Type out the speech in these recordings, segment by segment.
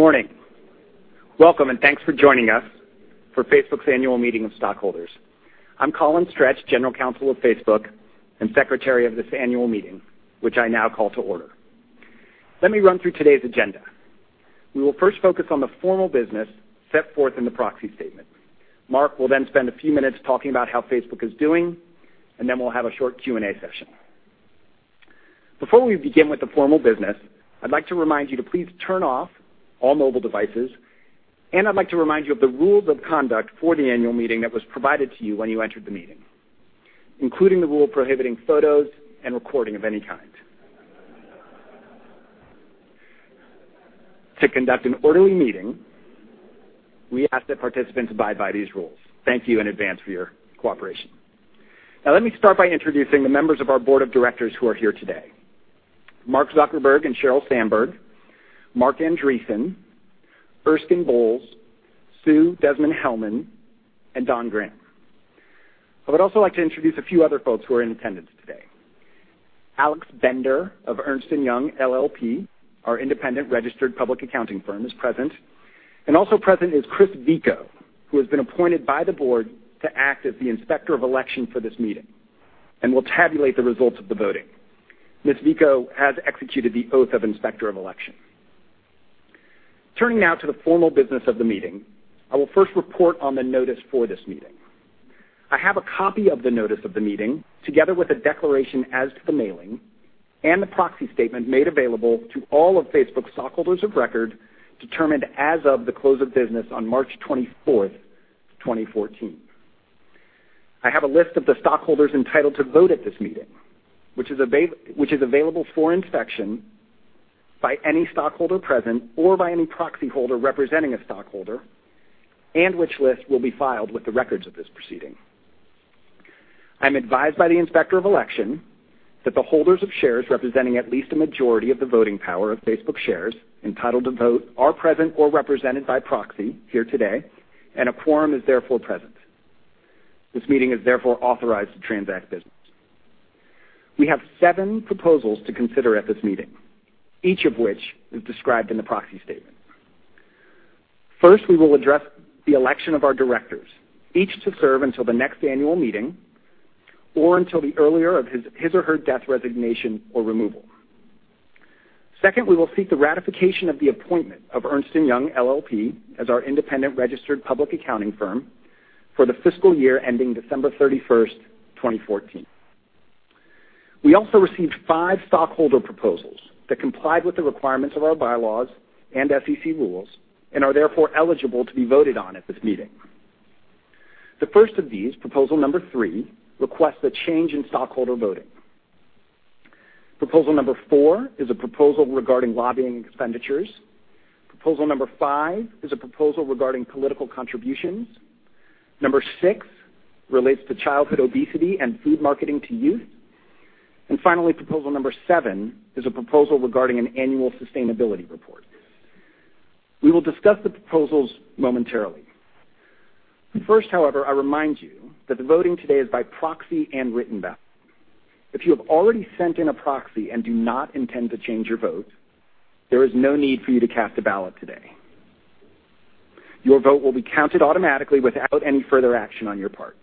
Good morning. Welcome and thanks for joining us for Facebook's annual meeting of stockholders. I'm Colin Stretch, General Counsel of Facebook and Secretary of this annual meeting, which I now call to order. Let me run through today's agenda. We will first focus on the formal business set forth in the proxy statement. Mark will then spend a few minutes talking about how Facebook is doing, and then we'll have a short Q&A session. Before we begin with the formal business, I'd like to remind you to please turn off all mobile devices, and I'd like to remind you of the rules of conduct for the annual meeting that was provided to you when you entered the meeting, including the rule prohibiting photos and recording of any kind. To conduct an orderly meeting, we ask that participants abide by these rules. Thank you in advance for your cooperation. Now let me start by introducing the members of our board of directors who are here today. Mark Zuckerberg and Sheryl Sandberg, Marc Andreessen, Erskine Bowles, Sue Desmond-Hellmann, and Don Graham. I would also like to introduce a few other folks who are in attendance today. Alex Bender of Ernst & Young LLP, our independent registered public accounting firm, is present. Also present is Chris Vico, who has been appointed by the board to act as the Inspector of Election for this meeting and will tabulate the results of the voting. Ms. Vico has executed the oath of Inspector of Election. Turning now to the formal business of the meeting, I will first report on the notice for this meeting. I have a copy of the notice of the meeting, together with a declaration as to the mailing and the proxy statement made available to all of Facebook's stockholders of record, determined as of the close of business on March 24th, 2014. I have a list of the stockholders entitled to vote at this meeting, which is available for inspection by any stockholder present or by any proxy holder representing a stockholder, and which list will be filed with the records of this proceeding. I'm advised by the inspector of election that the holders of shares representing at least a majority of the voting power of Facebook shares entitled to vote are present or represented by proxy here today, and a quorum is therefore present. This meeting is therefore authorized to transact business. We have seven proposals to consider at this meeting, each of which is described in the proxy statement. First, we will address the election of our directors, each to serve until the next annual meeting or until the earlier of his or her death, resignation, or removal. Second, we will seek the ratification of the appointment of Ernst & Young LLP as our independent registered public accounting firm for the fiscal year ending December 31st, 2014. We also received five stockholder proposals that complied with the requirements of our bylaws and SEC rules and are therefore eligible to be voted on at this meeting. The first of these, proposal number three, requests a change in stockholder voting. Proposal number four is a proposal regarding lobbying expenditures. Proposal number five is a proposal regarding political contributions. Number six relates to childhood obesity and food marketing to youth. Finally, proposal number seven is a proposal regarding an annual sustainability report. We will discuss the proposals momentarily. First, however, I remind you that the voting today is by proxy and written ballot. If you have already sent in a proxy and do not intend to change your vote, there is no need for you to cast a ballot today. Your vote will be counted automatically without any further action on your part.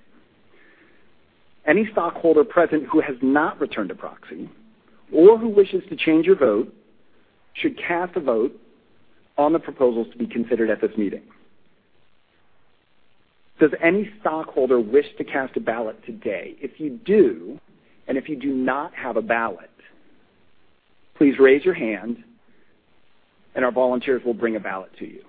Any stockholder present who has not returned a proxy or who wishes to change your vote should cast a vote on the proposals to be considered at this meeting. Does any stockholder wish to cast a ballot today? If you do, and if you do not have a ballot, please raise your hand and our volunteers will bring a ballot to you.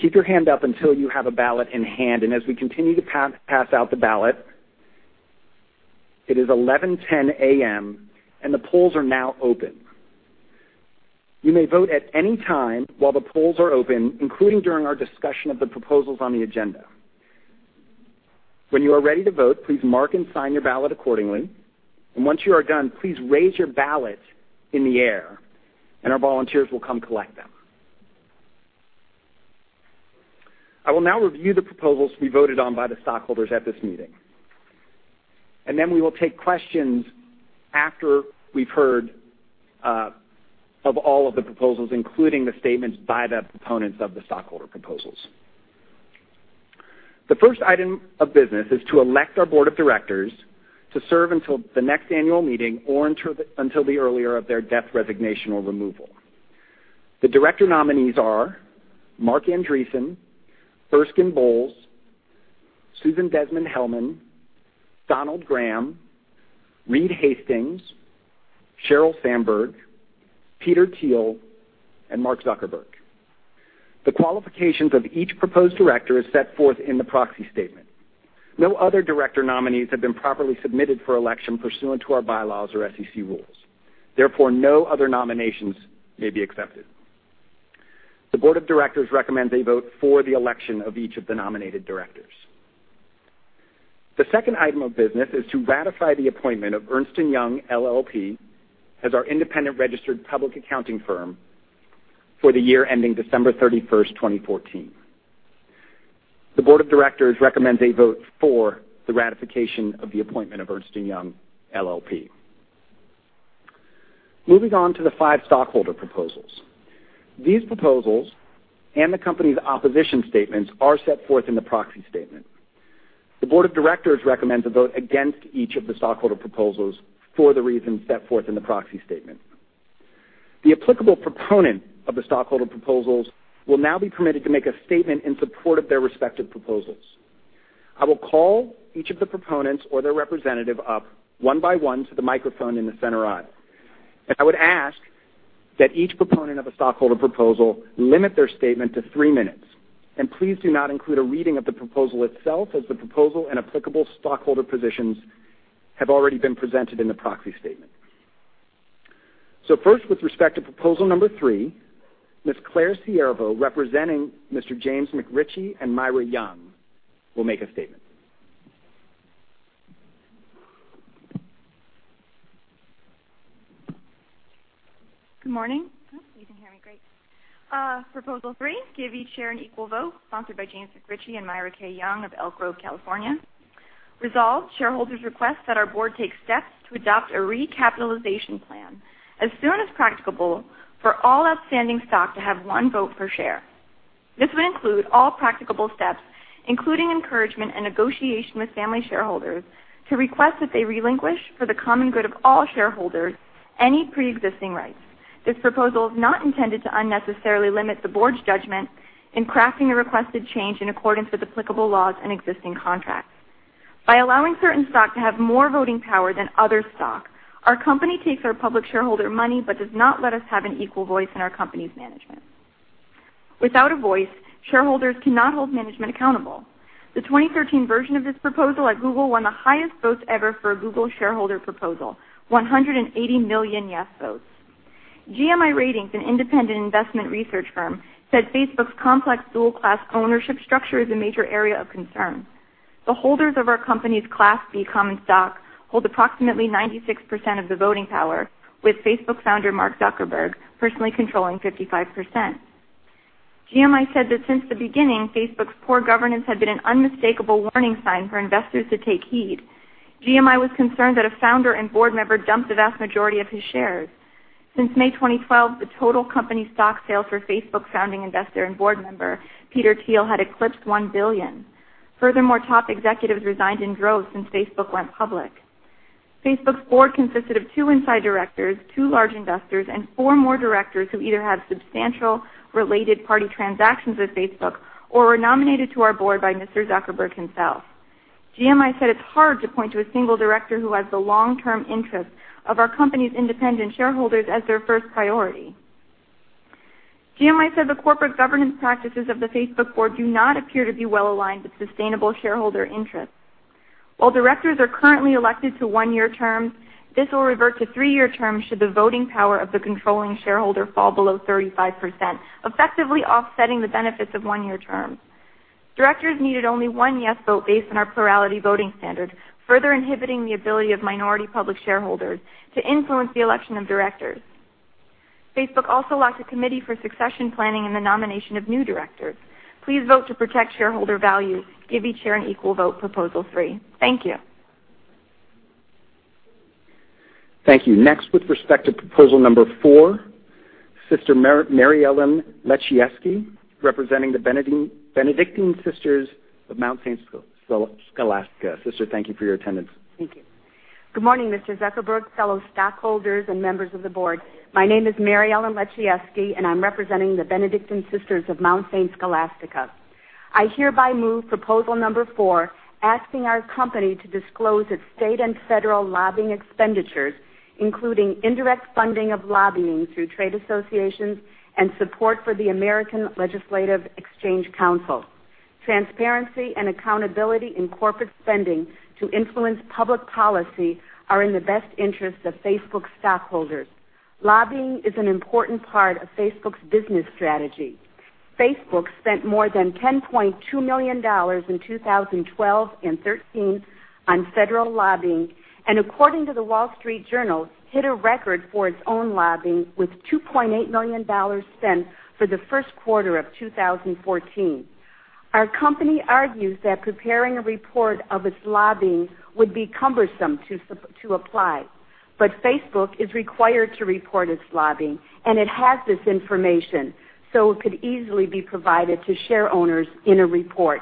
Keep your hand up until you have a ballot in hand. As we continue to pass out the ballot, it is 11:10 A.M., and the polls are now open. You may vote at any time while the polls are open, including during our discussion of the proposals on the agenda. When you are ready to vote, please mark and sign your ballot accordingly. Once you are done, please raise your ballot in the air and our volunteers will come collect them. I will now review the proposals to be voted on by the stockholders at this meeting. Then we will take questions after we've heard of all of the proposals, including the statements by the proponents of the stockholder proposals. The first item of business is to elect our board of directors to serve until the next annual meeting or until the earlier of their death, resignation, or removal. The director nominees are Marc Andreessen, Erskine Bowles, Susan Desmond-Hellmann, Donald Graham, Reed Hastings, Sheryl Sandberg, Peter Thiel, and Mark Zuckerberg. The qualifications of each proposed director is set forth in the proxy statement. No other director nominees have been properly submitted for election pursuant to our bylaws or SEC rules. Therefore, no other nominations may be accepted. The board of directors recommend they vote for the election of each of the nominated directors. The second item of business is to ratify the appointment of Ernst & Young LLP as our independent registered public accounting firm for the year ending December 31st, 2014. The board of directors recommends a vote for the ratification of the appointment of Ernst & Young LLP. Moving on to the five stockholder proposals. These proposals and the company's opposition statements are set forth in the proxy statement. The board of directors recommends a vote against each of the stockholder proposals for the reasons set forth in the proxy statement. The applicable proponent of the stockholder proposals will now be permitted to make a statement in support of their respective proposals. I will call each of the proponents or their representative up one by one to the microphone in the center aisle. I would ask that each proponent of a stockholder proposal limit their statement to three minutes. Please do not include a reading of the proposal itself as the proposal and applicable stockholder positions have already been presented in the proxy statement. First, with respect to proposal number three, Ms. Clare Ciervo, representing Mr. James McRitchie and Myra Young, will make a statement. Good morning. You can hear me great. Proposal Three, give each share an equal vote, sponsored by James McRitchie and Myra K. Young of Elk Grove, California. Resolved, shareholders request that our board take steps to adopt a recapitalization plan as soon as practicable for all outstanding stock to have one vote per share. This would include all practicable steps, including encouragement and negotiation with family shareholders, to request that they relinquish, for the common good of all shareholders, any pre-existing rights. This proposal is not intended to unnecessarily limit the board's judgment in crafting a requested change in accordance with applicable laws and existing contracts. By allowing certain stock to have more voting power than other stock, our company takes our public shareholder money but does not let us have an equal voice in our company's management. Without a voice, shareholders cannot hold management accountable. The 2013 version of this proposal at Google won the highest votes ever for a Google shareholder proposal, 180 million yes votes. GMI Ratings, an independent investment research firm, said Facebook's complex Class B dual-class ownership structure is a major area of concern. The holders of our company's Class B common stock hold approximately 96% of the voting power, with Facebook founder Mark Zuckerberg personally controlling 55%. GMI said that since the beginning, Facebook's poor governance had been an unmistakable warning sign for investors to take heed. GMI was concerned that a founder and board member dumped the vast majority of his shares. Since May 2012, the total company stock sale for Facebook founding investor and board member Peter Thiel had eclipsed $1 billion. Furthermore, top executives resigned in droves since Facebook went public. Facebook's board consisted of two inside directors, two large investors, and four more directors who either had substantial related party transactions with Facebook or were nominated to our board by Mr. Zuckerberg himself. GMI said it's hard to point to a single director who has the long-term interest of our company's independent shareholders as their first priority. GMI said the corporate governance practices of the Facebook board do not appear to be well-aligned with sustainable shareholder interests. While directors are currently elected to one-year terms, this will revert to three-year terms should the voting power of the controlling shareholder fall below 35%, effectively offsetting the benefits of one-year terms. Directors needed only one yes vote based on our plurality voting standard, further inhibiting the ability of minority public shareholders to influence the election of directors. Facebook also lacks a committee for succession planning and the nomination of new directors. Please vote to protect shareholder value. Give each share an equal vote, proposal three. Thank you. Thank you. Next, with respect to proposal number four, Sister Mary Ellen Leciejewski, representing the Benedictine Sisters of Mount St. Scholastica. Sister, thank you for your attendance. Thank you. Good morning, Mr. Zuckerberg, fellow stockholders, and members of the board. My name is Mary Ellen Leciejewski, and I'm representing the Benedictine Sisters of Mount St. Scholastica. I hereby move proposal number four, asking our company to disclose its state and federal lobbying expenditures, including indirect funding of lobbying through trade associations and support for the American Legislative Exchange Council. Transparency and accountability in corporate spending to influence public policy are in the best interest of Facebook stockholders. Lobbying is an important part of Facebook's business strategy. Facebook spent more than $10.2 million in 2012 and 2013 on federal lobbying and, according to The Wall Street Journal, hit a record for its own lobbying with $2.8 million spent for the first quarter of 2014. Our company argues that preparing a report of its lobbying would be cumbersome to apply. Facebook is required to report its lobbying, and it has this information, so it could easily be provided to share owners in a report.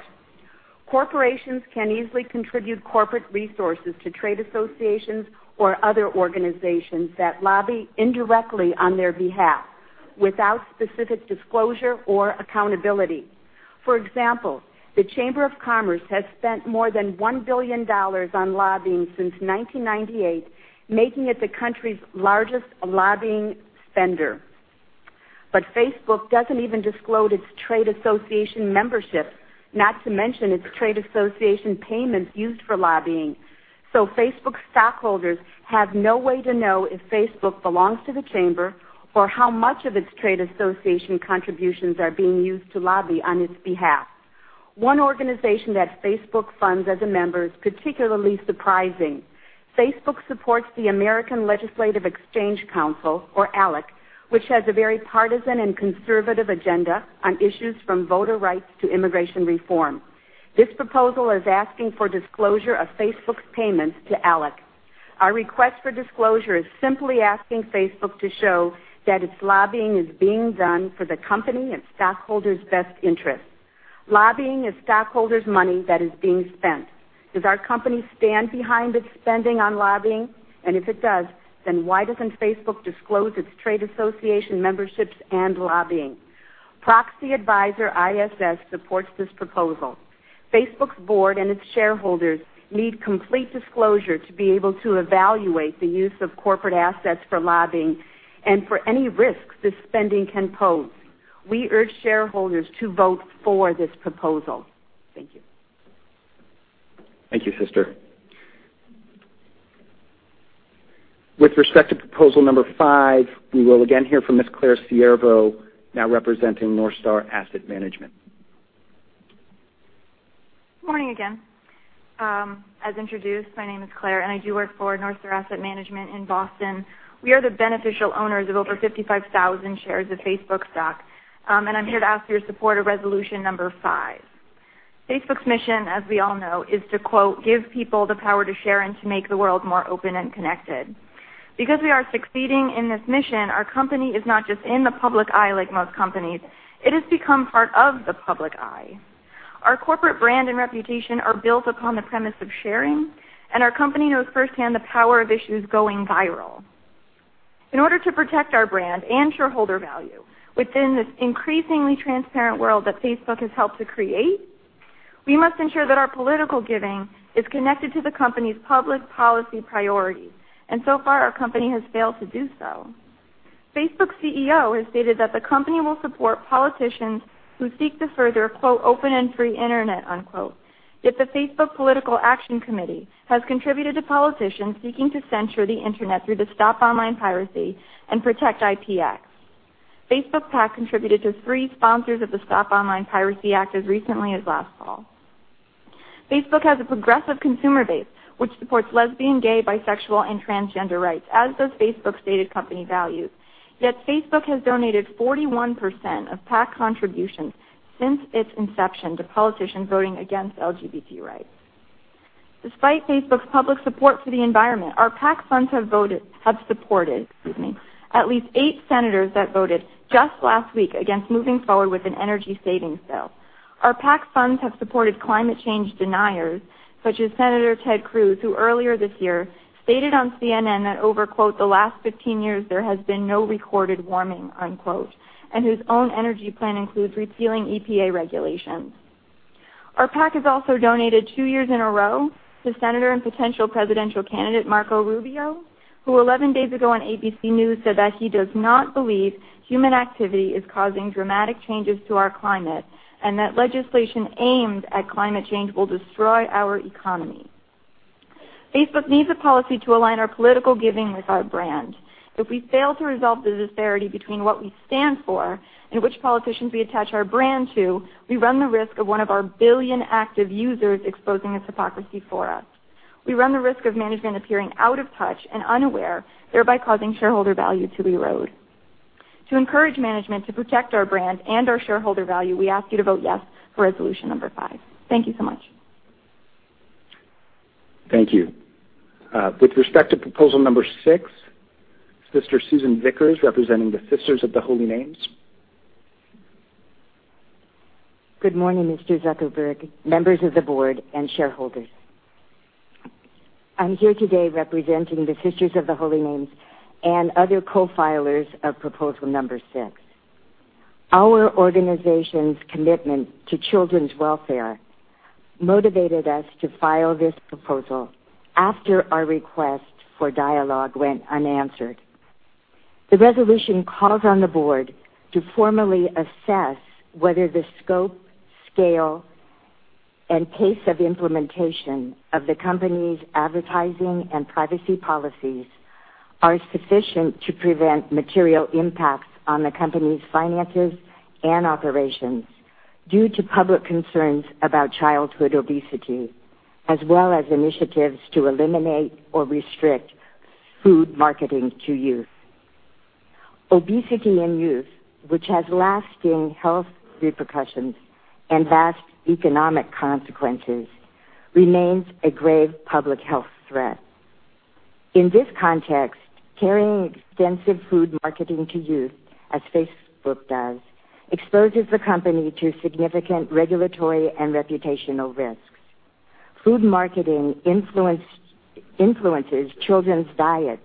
Corporations can easily contribute corporate resources to trade associations or other organizations that lobby indirectly on their behalf without specific disclosure or accountability. For example, the Chamber of Commerce has spent more than $1 billion on lobbying since 1998, making it the country's largest lobbying spender. Facebook doesn't even disclose its trade association membership, not to mention its trade association payments used for lobbying. So Facebook stockholders have no way to know if Facebook belongs to the Chamber or how much of its trade association contributions are being used to lobby on its behalf. One organization that Facebook funds as a member is particularly surprising. Facebook supports the American Legislative Exchange Council, or ALEC, which has a very partisan and conservative agenda on issues from voter rights to immigration reform. This proposal is asking for disclosure of Facebook's payments to ALEC. Our request for disclosure is simply asking Facebook to show that its lobbying is being done for the company and stockholders' best interest. Lobbying is stockholders' money that is being spent. Does our company stand behind its spending on lobbying? If it does, then why doesn't Facebook disclose its trade association memberships and lobbying? proxy advisor ISS supports this proposal. Facebook's board and its shareholders need complete disclosure to be able to evaluate the use of corporate assets for lobbying and for any risks this spending can pose. We urge shareholders to vote for this proposal. Thank you. Thank you, Sister. With respect to proposal number five, we will again hear from Ms. Clare Ciervo, now representing NorthStar Asset Management. Morning again. As introduced, my name is Clare, I do work for NorthStar Asset Management in Boston. We are the beneficial owners of over 55,000 shares of Facebook stock. I'm here to ask for your support of resolution number five. Facebook's mission, as we all know, is to, quote, "Give people the power to share and to make the world more open and connected." We are succeeding in this mission, our company is not just in the public eye like most companies. It has become part of the public eye. Our corporate brand and reputation are built upon the premise of sharing, our company knows firsthand the power of issues going viral. In order to protect our brand and shareholder value within this increasingly transparent world that Facebook has helped to create, we must ensure that our political giving is connected to the company's public policy priorities, and so far, our company has failed to do so. Facebook's CEO has stated that the company will support politicians who seek to further, quote, "open and free internet," unquote. Yet the Facebook Political Action Committee has contributed to politicians seeking to censure the internet through the Stop Online Piracy Act and PROTECT IP Act. Facebook PAC contributed to three sponsors of the Stop Online Piracy Act as recently as last fall. Facebook has a progressive consumer base which supports lesbian, gay, bisexual, and transgender rights, as does Facebook's stated company values. Yet Facebook has donated 41% of PAC contributions since its inception to politicians voting against LGBT rights. Despite Facebook's public support for the environment, our PAC funds have supported, excuse me, at least eight senators that voted just last week against moving forward with an energy savings bill. Our PAC funds have supported climate change deniers such as Senator Ted Cruz, who earlier this year stated on CNN that over, quote, "the last 15 years, there has been no recorded warming," unquote, and whose own energy plan includes repealing EPA regulations. Our PAC has also donated two years in a row to senator and potential presidential candidate Marco Rubio, who 11 days ago on ABC News said that he does not believe human activity is causing dramatic changes to our climate and that legislation aimed at climate change will destroy our economy. Facebook needs a policy to align our political giving with our brand. If we fail to resolve the disparity between what we stand for and which politicians we attach our brand to, we run the risk of one of our 1 billion active users exposing its hypocrisy for us. We run the risk of management appearing out of touch and unaware, thereby causing shareholder value to erode. To encourage management to protect our brand and our shareholder value, we ask you to vote yes for resolution number five. Thank you so much. Thank you. With respect to proposal number six, Sister Susan Vickers, representing the Sisters of the Holy Names. Good morning, Mr. Zuckerberg, members of the board, and shareholders. I'm here today representing the Sisters of the Holy Names and other co-filers of proposal number six. Our organization's commitment to children's welfare motivated us to file this proposal after our request for dialogue went unanswered. The resolution calls on the board to formally assess whether the scope, scale, and pace of implementation of the company's advertising and privacy policies are sufficient to prevent material impacts on the company's finances and operations due to public concerns about childhood obesity, as well as initiatives to eliminate or restrict food marketing to youth. Obesity in youth, which has lasting health repercussions and vast economic consequences, remains a grave public health threat. In this context, carrying extensive food marketing to youth, as Facebook does, exposes the company to significant regulatory and reputational risks. Food marketing influences children's diets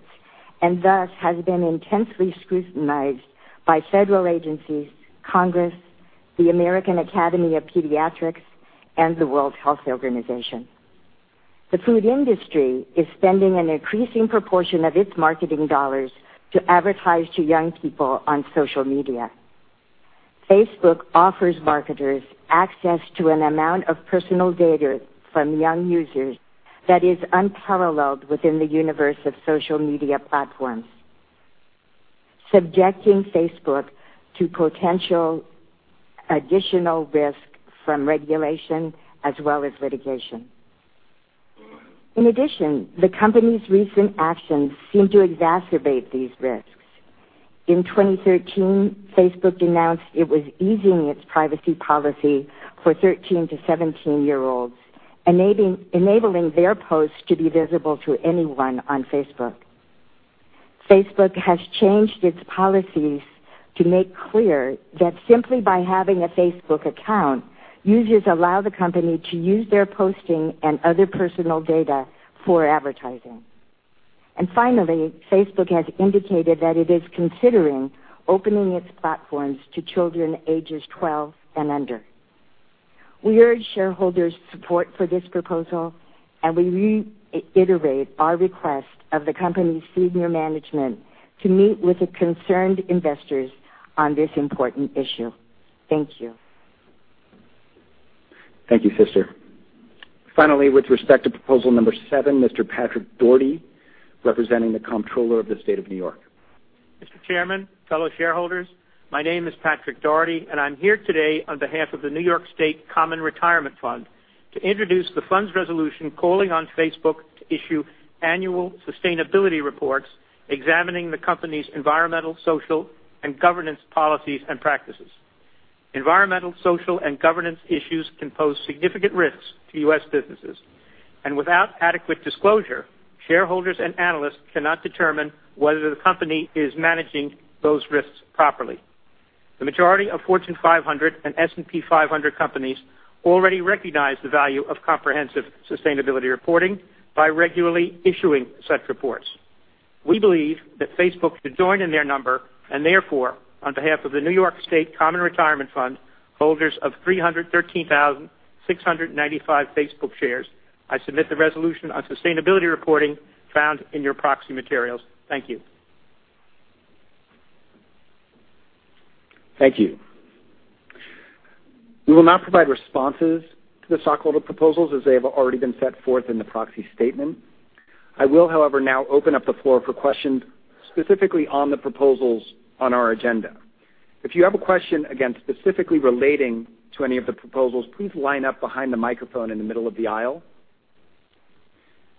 and thus has been intensely scrutinized by federal agencies, Congress, the American Academy of Pediatrics, and the World Health Organization. The food industry is spending an increasing proportion of its marketing dollars to advertise to young people on social media. Facebook offers marketers access to an amount of personal data from young users that is unparalleled within the universe of social media platforms, subjecting Facebook to potential additional risk from regulation as well as litigation. The company's recent actions seem to exacerbate these risks. In 2013, Facebook announced it was easing its privacy policy for 13-17-year-olds, enabling their posts to be visible to anyone on Facebook. Facebook has changed its policies to make clear that simply by having a Facebook account, users allow the company to use their posting and other personal data for advertising. Finally, Facebook has indicated that it is considering opening its platforms to children ages 12 and under. We urge shareholders support for this proposal, and we reiterate our request of the company's senior management to meet with the concerned investors on this important issue. Thank you. Thank you, sister. Finally, with respect to proposal number seven, Mr. Patrick Doherty, representing the Comptroller of the State of New York. Mr. Chairman, fellow shareholders, my name is Patrick Doherty. I'm here today on behalf of the New York State Common Retirement Fund to introduce the fund's resolution calling on Facebook to issue annual sustainability reports examining the company's environmental, social, and governance policies and practices. Environmental, social, and governance issues can pose significant risks to U.S. businesses. Without adequate disclosure, shareholders and analysts cannot determine whether the company is managing those risks properly. The majority of Fortune 500 and S&P 500 companies already recognize the value of comprehensive sustainability reporting by regularly issuing such reports. We believe that Facebook should join in their number. Therefore, on behalf of the New York State Common Retirement Fund, holders of 313,695 Facebook shares, I submit the resolution on sustainability reporting found in your proxy materials. Thank you. Thank you. We will now provide responses to the stockholder proposals as they have already been set forth in the proxy statement. I will, however, now open up the floor for questions specifically on the proposals on our agenda. If you have a question, again, specifically relating to any of the proposals, please line up behind the microphone in the middle of the aisle.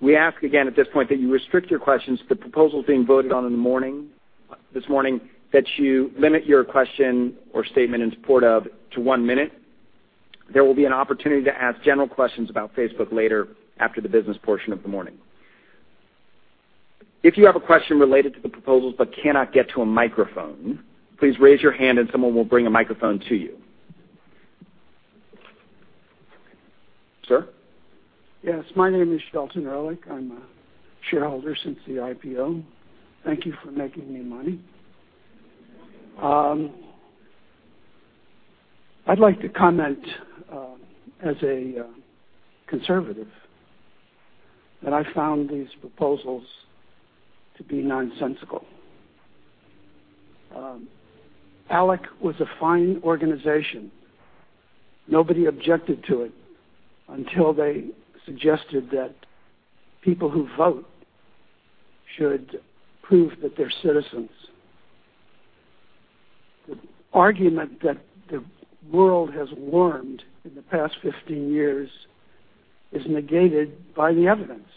We ask again at this point that you restrict your questions to the proposals being voted on in the morning, that you limit your question or statement in support of to one minute. There will be an opportunity to ask general questions about Facebook later after the business portion of the morning. If you have a question related to the proposals but cannot get to a microphone, please raise your hand and someone will bring a microphone to you. Sir. Yes, my name is Shelton Ehrlich. I'm a shareholder since the IPO. Thank you for making me money. I'd like to comment, as a conservative, that I found these proposals to be nonsensical. ALEC was a fine organization. Nobody objected to it until they suggested that people who vote should prove that they're citizens. The argument that the world has warmed in the past 15 years is negated by the evidence.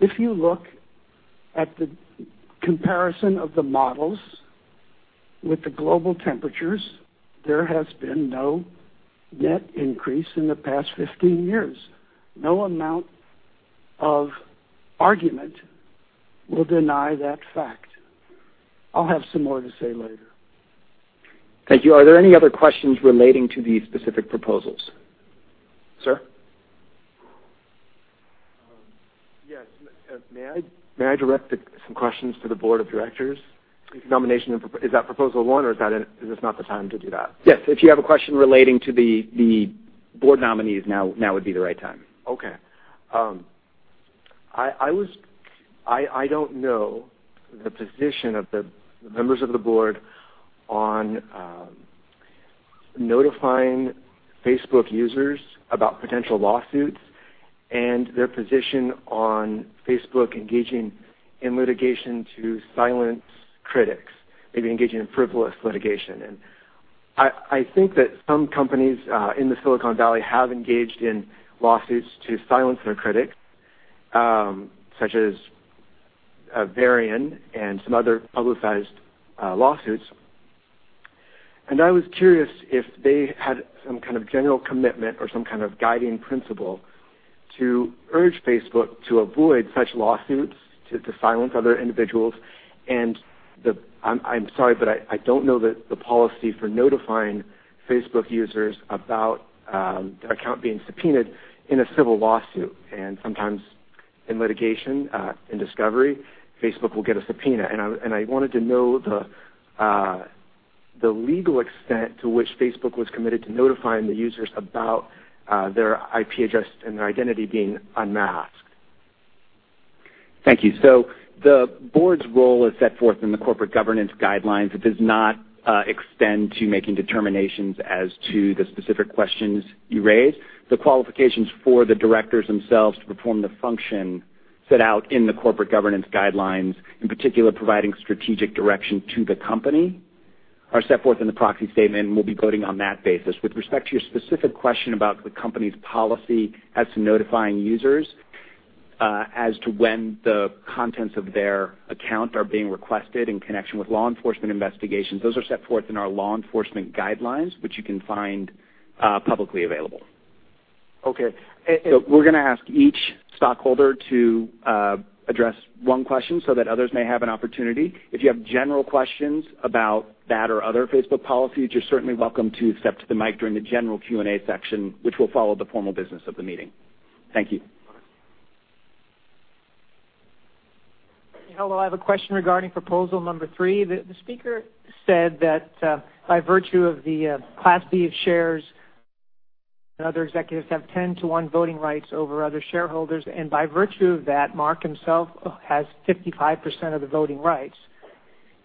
If you look at the comparison of the models with the global temperatures, there has been no net increase in the past 15 years. No amount of argument will deny that fact. I'll have some more to say later. Thank you. Are there any other questions relating to these specific proposals? Sir. Yes. May I direct some questions to the board of directors? Is that proposal one, or is this not the time to do that? Yes. If you have a question relating to the board nominees now would be the right time. Okay. I don't know the position of the members of the board on notifying Facebook users about potential lawsuits and their position on Facebook engaging in litigation to silence critics, maybe engaging in frivolous litigation. I think that some companies in the Silicon Valley have engaged in lawsuits to silence their critics, such as Varian and some other publicized lawsuits. I was curious if they had some kind of general commitment or some kind of guiding principle to urge Facebook to avoid such lawsuits to silence other individuals. I'm sorry, but I don't know the policy for notifying Facebook users about their account being subpoenaed in a civil lawsuit. Sometimes in litigation, in discovery, Facebook will get a subpoena. I wanted to know the legal extent to which Facebook was committed to notifying the users about their IP address and their identity being unmasked. Thank you. The board's role is set forth in the corporate governance guidelines. It does not extend to making determinations as to the specific questions you raised. The qualifications for the directors themselves to perform the function set out in the corporate governance guidelines, in particular, providing strategic direction to the company, are set forth in the proxy statement, and we'll be voting on that basis. With respect to your specific question about the company's policy as to notifying users, as to when the contents of their account are being requested in connection with law enforcement investigations, those are set forth in our law enforcement guidelines, which you can find publicly available. Okay. We're gonna ask each stockholder to address one question so that others may have an opportunity. If you have general questions about that or other Facebook policies, you're certainly welcome to step to the mic during the general Q&A section, which will follow the formal business of the meeting. Thank you. Hello. I have a question regarding proposal number three. The speaker said that, by virtue of the Class B shares and other executives have 10:1 voting rights over other shareholders, and by virtue of that, Mark himself has 55% of the voting rights.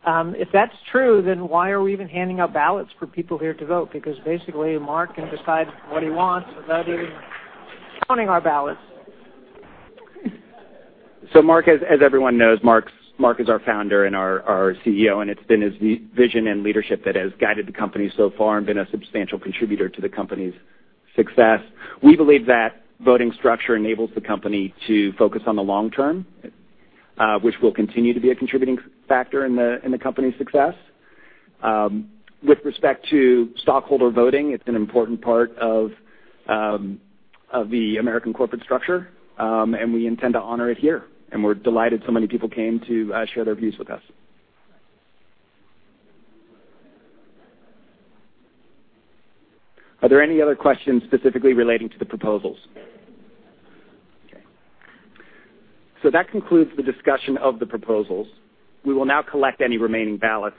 If that's true, then why are we even handing out ballots for people here to vote? Basically, Mark can decide what he wants without even counting our ballots. Mark is As everyone knows, Mark is our founder and our CEO, and it's been his vision and leadership that has guided the company so far and been a substantial contributor to the company's success. We believe that voting structure enables the company to focus on the long term, which will continue to be a contributing factor in the company's success. With respect to stockholder voting, it's an important part of the American corporate structure, and we intend to honor it here, and we're delighted so many people came to share their views with us. Are there any other questions specifically relating to the proposals? Okay. That concludes the discussion of the proposals. We will now collect any remaining ballots.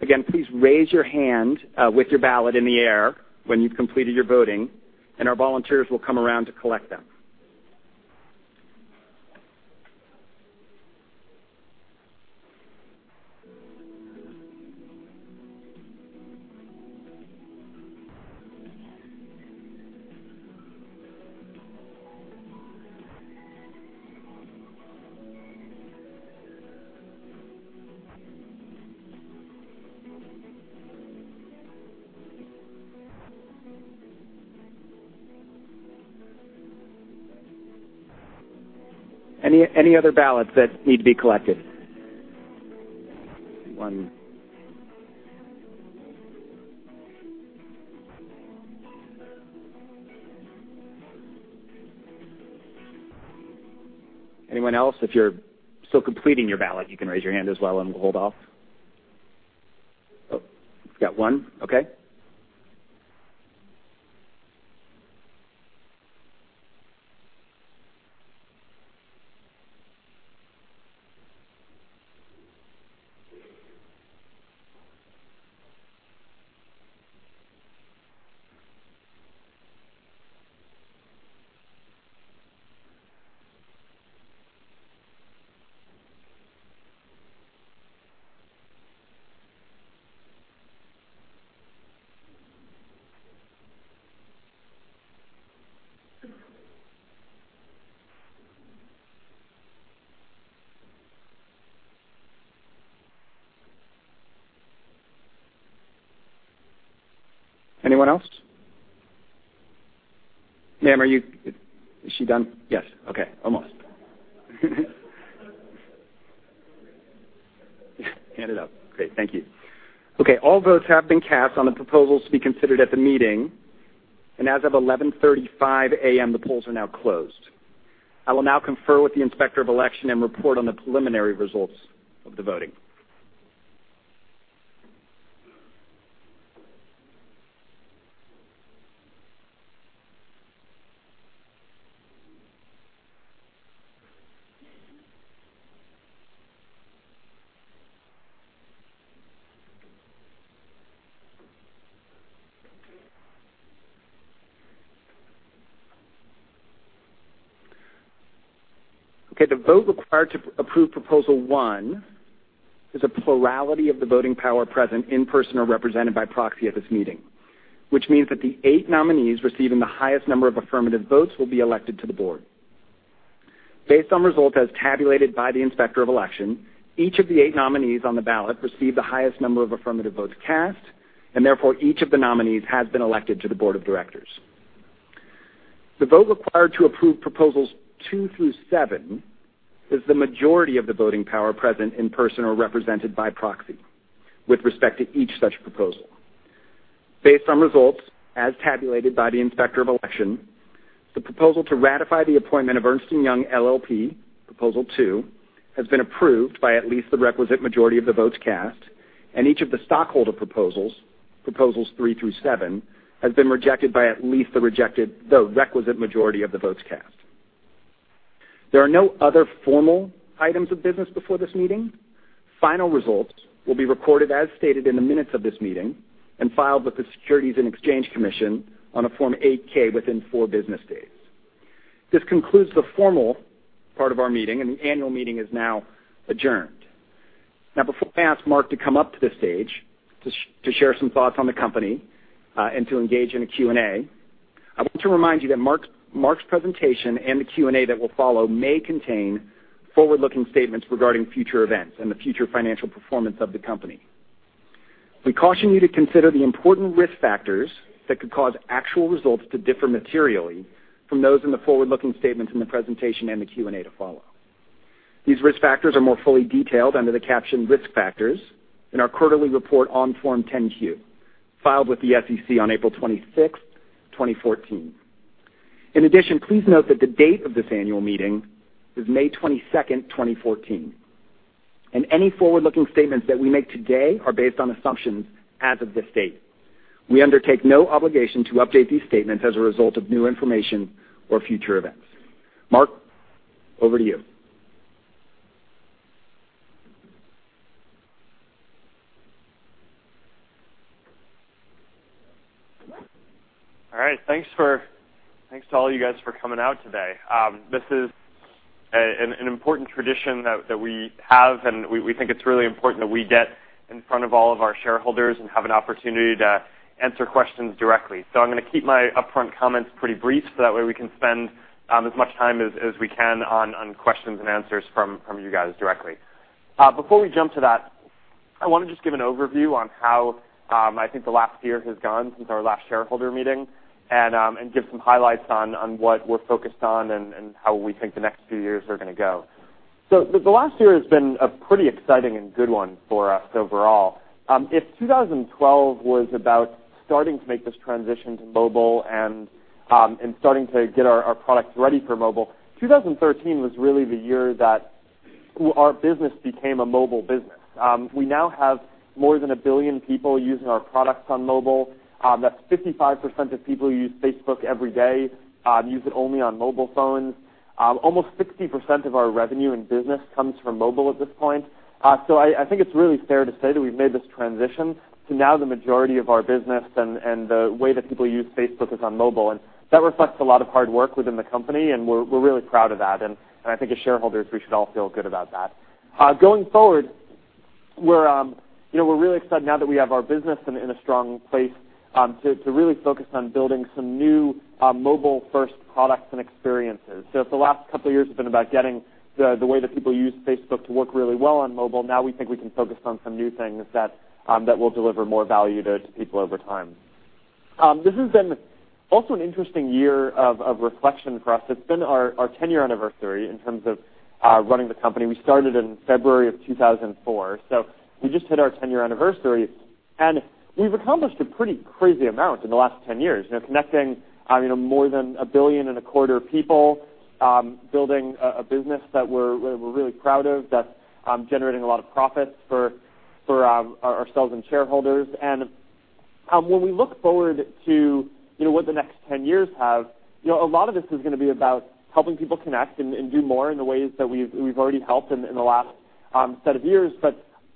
Again, please raise your hand with your ballot in the air when you've completed your voting, and our volunteers will come around to collect them. Any other ballots that need to be collected? One. Anyone else? If you're still completing your ballot, you can raise your hand as well, and we'll hold off. Oh, got one. Okay. Anyone else? Ma'am, is she done? Yes. Okay. Almost. Hand it up. Great. Thank you. Okay, all votes have been cast on the proposals to be considered at the meeting, and as of 11:35 A.M., the polls are now closed. I will now confer with the Inspector of Election and report on the preliminary results of the voting. The vote required to approve proposal one is a plurality of the voting power present in person or represented by proxy at this meeting, which means that the eight nominees receiving the highest number of affirmative votes will be elected to the board. Based on results as tabulated by the Inspector of Election, each of the eight nominees on the ballot received the highest number of affirmative votes cast, and therefore each of the nominees has been elected to the board of directors. The vote required to approve proposals two through seven is the majority of the voting power present in person or represented by proxy with respect to each such proposal. Based on results as tabulated by the Inspector of Election, the proposal to ratify the appointment of Ernst & Young LLP, proposal two, has been approved by at least the requisite majority of the votes cast, and each of the stockholder proposals three through seven, has been rejected by at least the requisite majority of the votes cast. There are no other formal items of business before this meeting. Final results will be recorded as stated in the minutes of this meeting and filed with the Securities and Exchange Commission on a Form 8-K within four business days. This concludes the formal part of our meeting, and the annual meeting is now adjourned. Now, before I ask Mark to come up to the stage to share some thoughts on the company and to engage in a Q&A, I want to remind you that Mark's presentation and the Q&A that will follow may contain forward-looking statements regarding future events and the future financial performance of the company. We caution you to consider the important risk factors that could cause actual results to differ materially from those in the forward-looking statements in the presentation and the Q&A to follow. These risk factors are more fully detailed under the caption Risk Factors in our quarterly report on Form 10-Q, filed with the SEC on April 26th, 2014. In addition, please note that the date of this annual meeting is May 22nd, 2014, and any forward-looking statements that we make today are based on assumptions as of this date. We undertake no obligation to update these statements as a result of new information or future events. Mark, over to you. Thanks to all you guys for coming out today. This is an important tradition that we have, and we think it's really important that we get in front of all of our shareholders and have an opportunity to answer questions directly. I'm gonna keep my upfront comments pretty brief, so that way we can spend as much time as we can on questions and answers from you guys directly. Before we jump to that, I wanna just give an overview on how I think the last year has gone since our last shareholder meeting and give some highlights on what we're focused on and how we think the next few years are gonna go. The last year has been a pretty exciting and good one for us overall. If 2012 was about starting to make this transition to mobile and starting to get our products ready for mobile, 2013 was really the year that our business became a mobile business. We now have more than 1 billion people using our products on mobile. That's 55% of people who use Facebook every day, use it only on mobile phones. Almost 60% of our revenue and business comes from mobile at this point. I think it's really fair to say that we've made this transition to now the majority of our business and the way that people use Facebook is on mobile, and that reflects a lot of hard work within the company, and we're really proud of that. I think as shareholders, we should all feel good about that. Going forward, we're, you know, we're really excited now that we have our business in a strong place to really focus on building some new mobile-first products and experiences. If the last couple years have been about getting the way that people use Facebook to work really well on mobile, now we think we can focus on some new things that will deliver more value to people over time. This has been also an interesting year of reflection for us. It's been our 10-year anniversary in terms of running the company. We started in February 2004, so we just hit our 10-year anniversary. We've accomplished a pretty crazy amount in the last 10 years. You know, connecting, you know, more than a billion and a quarter people, building a business that we're really proud of, that's generating a lot of profits for ourselves and shareholders. When we look forward to, you know, what the next 10 years have, you know, a lot of this is gonna be about helping people connect and do more in the ways that we've already helped in the last set of years.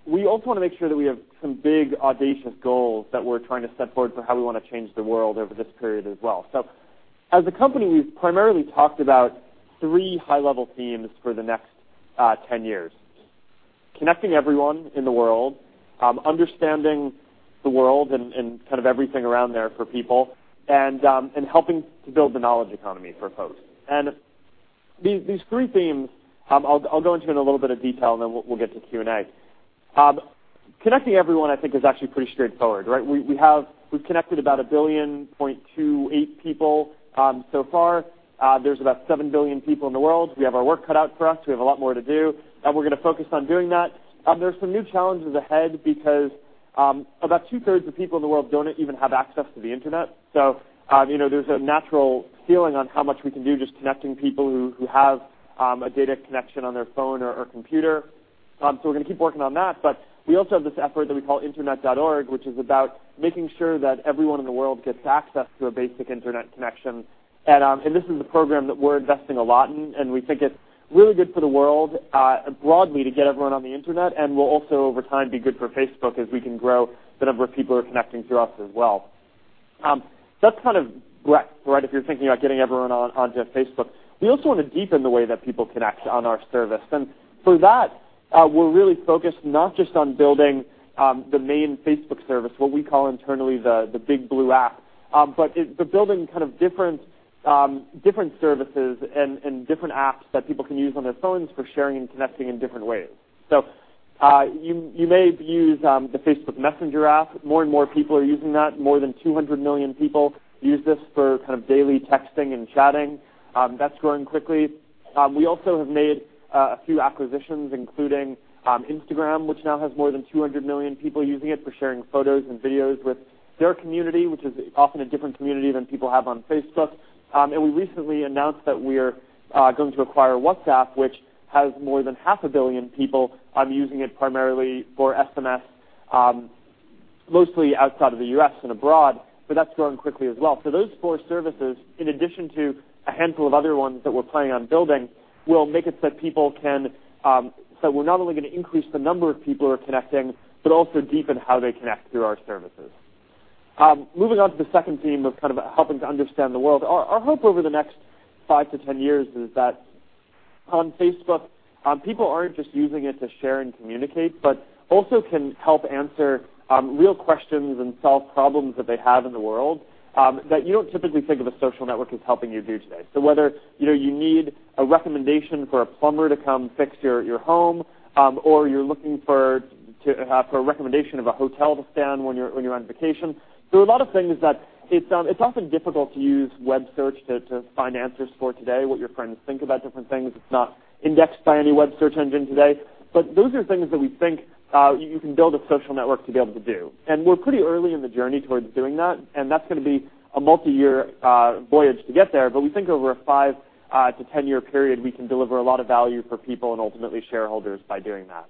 We also wanna make sure that we have some big, audacious goals that we're trying to set forward for how we wanna change the world over this period as well. As a company, we've primarily talked about three high-level themes for the next 10 years: connecting everyone in the world, understanding the world and kind of everything around there for people, and helping to build the knowledge economy for folks. These three themes, I'll go into in a little bit of detail, and then we'll get to Q&A. Connecting everyone I think is actually pretty straightforward, right? We've connected about 1.28 billion people so far. There's about 7 billion people in the world. We have our work cut out for us. We have a lot more to do, and we're gonna focus on doing that. There are some new challenges ahead because about two-thirds of people in the world don't even have access to the Internet. You know, there's a natural ceiling on how much we can do just connecting people who have a data connection on their phone or computer. We're gonna keep working on that. We also have this effort that we call Internet.org, which is about making sure that everyone in the world gets access to a basic internet connection. This is a program that we're investing a lot in, and we think it's really good for the world broadly to get everyone on the internet and will also over time be good for Facebook as we can grow the number of people who are connecting through us as well. That's kind of right, if you're thinking about getting everyone onto Facebook. We also wanna deepen the way that people connect on our service. For that, we're really focused not just on building the main Facebook service, what we call internally the big blue app, but building kind of different services and different apps that people can use on their phones for sharing and connecting in different ways. You may have used the Facebook Messenger app. More and more people are using that. More than 200 million people use this for kind of daily texting and chatting. That's growing quickly. We also have made a few acquisitions, including Instagram, which now has more than 200 million people using it for sharing photos and videos with their community, which is often a different community than people have on Facebook. And we recently announced that we're going to acquire WhatsApp, which has more than half a billion people using it primarily for SMS, mostly outside of the U.S. and abroad, but that's growing quickly as well. Those four services, in addition to a handful of other ones that we're planning on building, will make it so that people can. We're not only gonna increase the number of people who are connecting, but also deepen how they connect through our services. Moving on to the second theme of kind of helping to understand the world. Our hope over the next 5-10 years is that on Facebook, people aren't just using it to share and communicate, but also can help answer real questions and solve problems that they have in the world that you don't typically think of a social network as helping you do today. Whether, you know, you need a recommendation for a plumber to come fix your home, or you're looking to have a recommendation of a hotel to stay in when you're on vacation. There are a lot of things that it's often difficult to use web search to find answers for today, what your friends think about different things. It's not indexed by any web search engine today. Those are things that we think you can build a social network to be able to do. We're pretty early in the journey towards doing that, and that's gonna be a multiyear voyage to get there. We think over a 5-10-year period, we can deliver a lot of value for people and ultimately shareholders by doing that.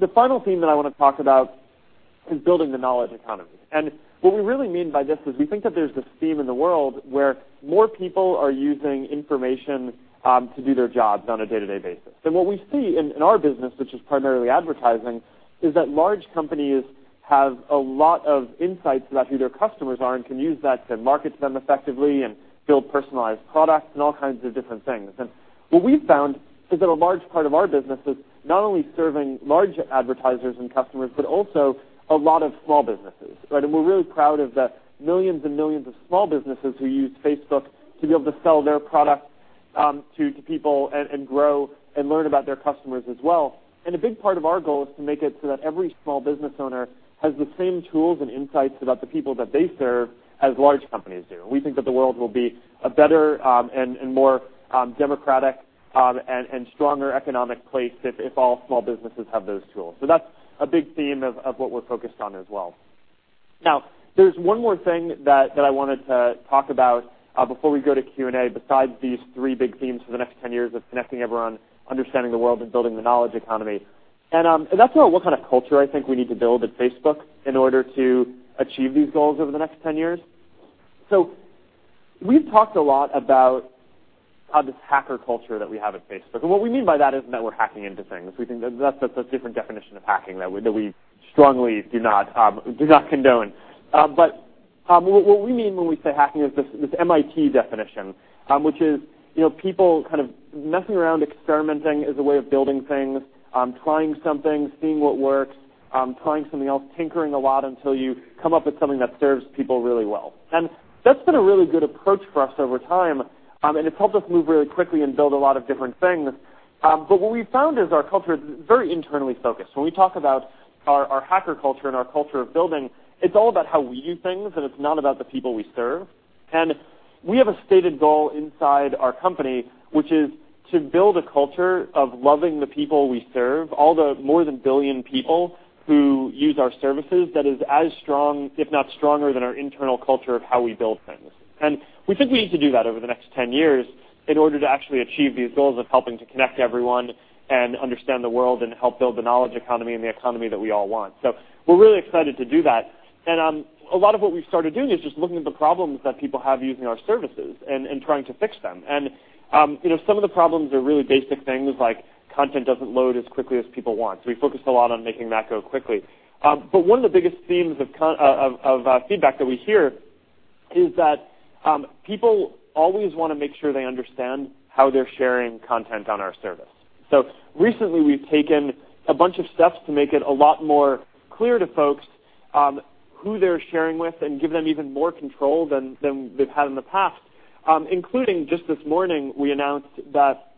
The final theme that I wanna talk about is building the knowledge economy. What we really mean by this is we think that there's this theme in the world where more people are using information to do their jobs on a day-to-day basis. What we see in our business, which is primarily advertising, is that large companies have a lot of insights about who their customers are and can use that to market to them effectively and build personalized products and all kinds of different things. What we've found is that a large part of our business is not only serving large advertisers and customers, but also a lot of small businesses, right? We're really proud of the millions and millions of small businesses who use Facebook to be able to sell their product to people and grow and learn about their customers as well. A big part of our goal is to make it so that every small business owner has the same tools and insights about the people that they serve as large companies do. We think that the world will be a better, and more, democratic, and stronger economic place if all small businesses have those tools. That's a big theme of what we're focused on as well. There's one more thing that I wanted to talk about before we go to Q&A, besides these three big themes for the next 10 years of connecting everyone, understanding the world, and building the knowledge economy. That's about what kind of culture I think we need to build at Facebook in order to achieve these goals over the next 10 years. We've talked a lot about this hacker culture that we have at Facebook, and what we mean by that isn't that we're hacking into things. We think that that's a different definition of hacking that we strongly do not condone. What we mean when we say hacking is this MIT definition, which is, you know, people kind of messing around, experimenting as a way of building things, trying something, seeing what works, trying something else, tinkering a lot until you come up with something that serves people really well. That's been a really good approach for us over time, and it's helped us move really quickly and build a lot of different things. What we've found is our culture is very internally focused. When we talk about our hacker culture and our culture of building, it's all about how we do things, and it's not about the people we serve. We have a stated goal inside our company, which is to build a culture of loving the people we serve, all the more than 1 billion people who use our services, that is as strong, if not stronger, than our internal culture of how we build things. We think we need to do that over the next 10 years in order to actually achieve these goals of helping to connect everyone and understand the world and help build the knowledge economy and the economy that we all want. We're really excited to do that. A lot of what we've started doing is just looking at the problems that people have using our services and trying to fix them. You know, some of the problems are really basic things like content doesn't load as quickly as people want, so we focused a lot on making that go quickly. But one of the biggest themes of feedback that we hear is that people always wanna make sure they understand how they're sharing content on our service. Recently, we've taken a bunch of steps to make it a lot more clear to folks who they're sharing with and give them even more control than they've had in the past. Including just this morning, we announced that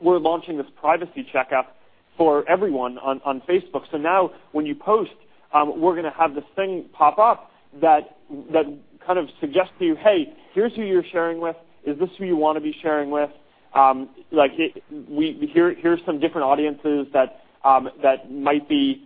we're launching this privacy checkup for everyone on Facebook. Now when you post, we're gonna have this thing pop up that kind of suggests to you, "Hey, here's who you're sharing with. Is this who you wanna be sharing with? Like, here are some different audiences that might be,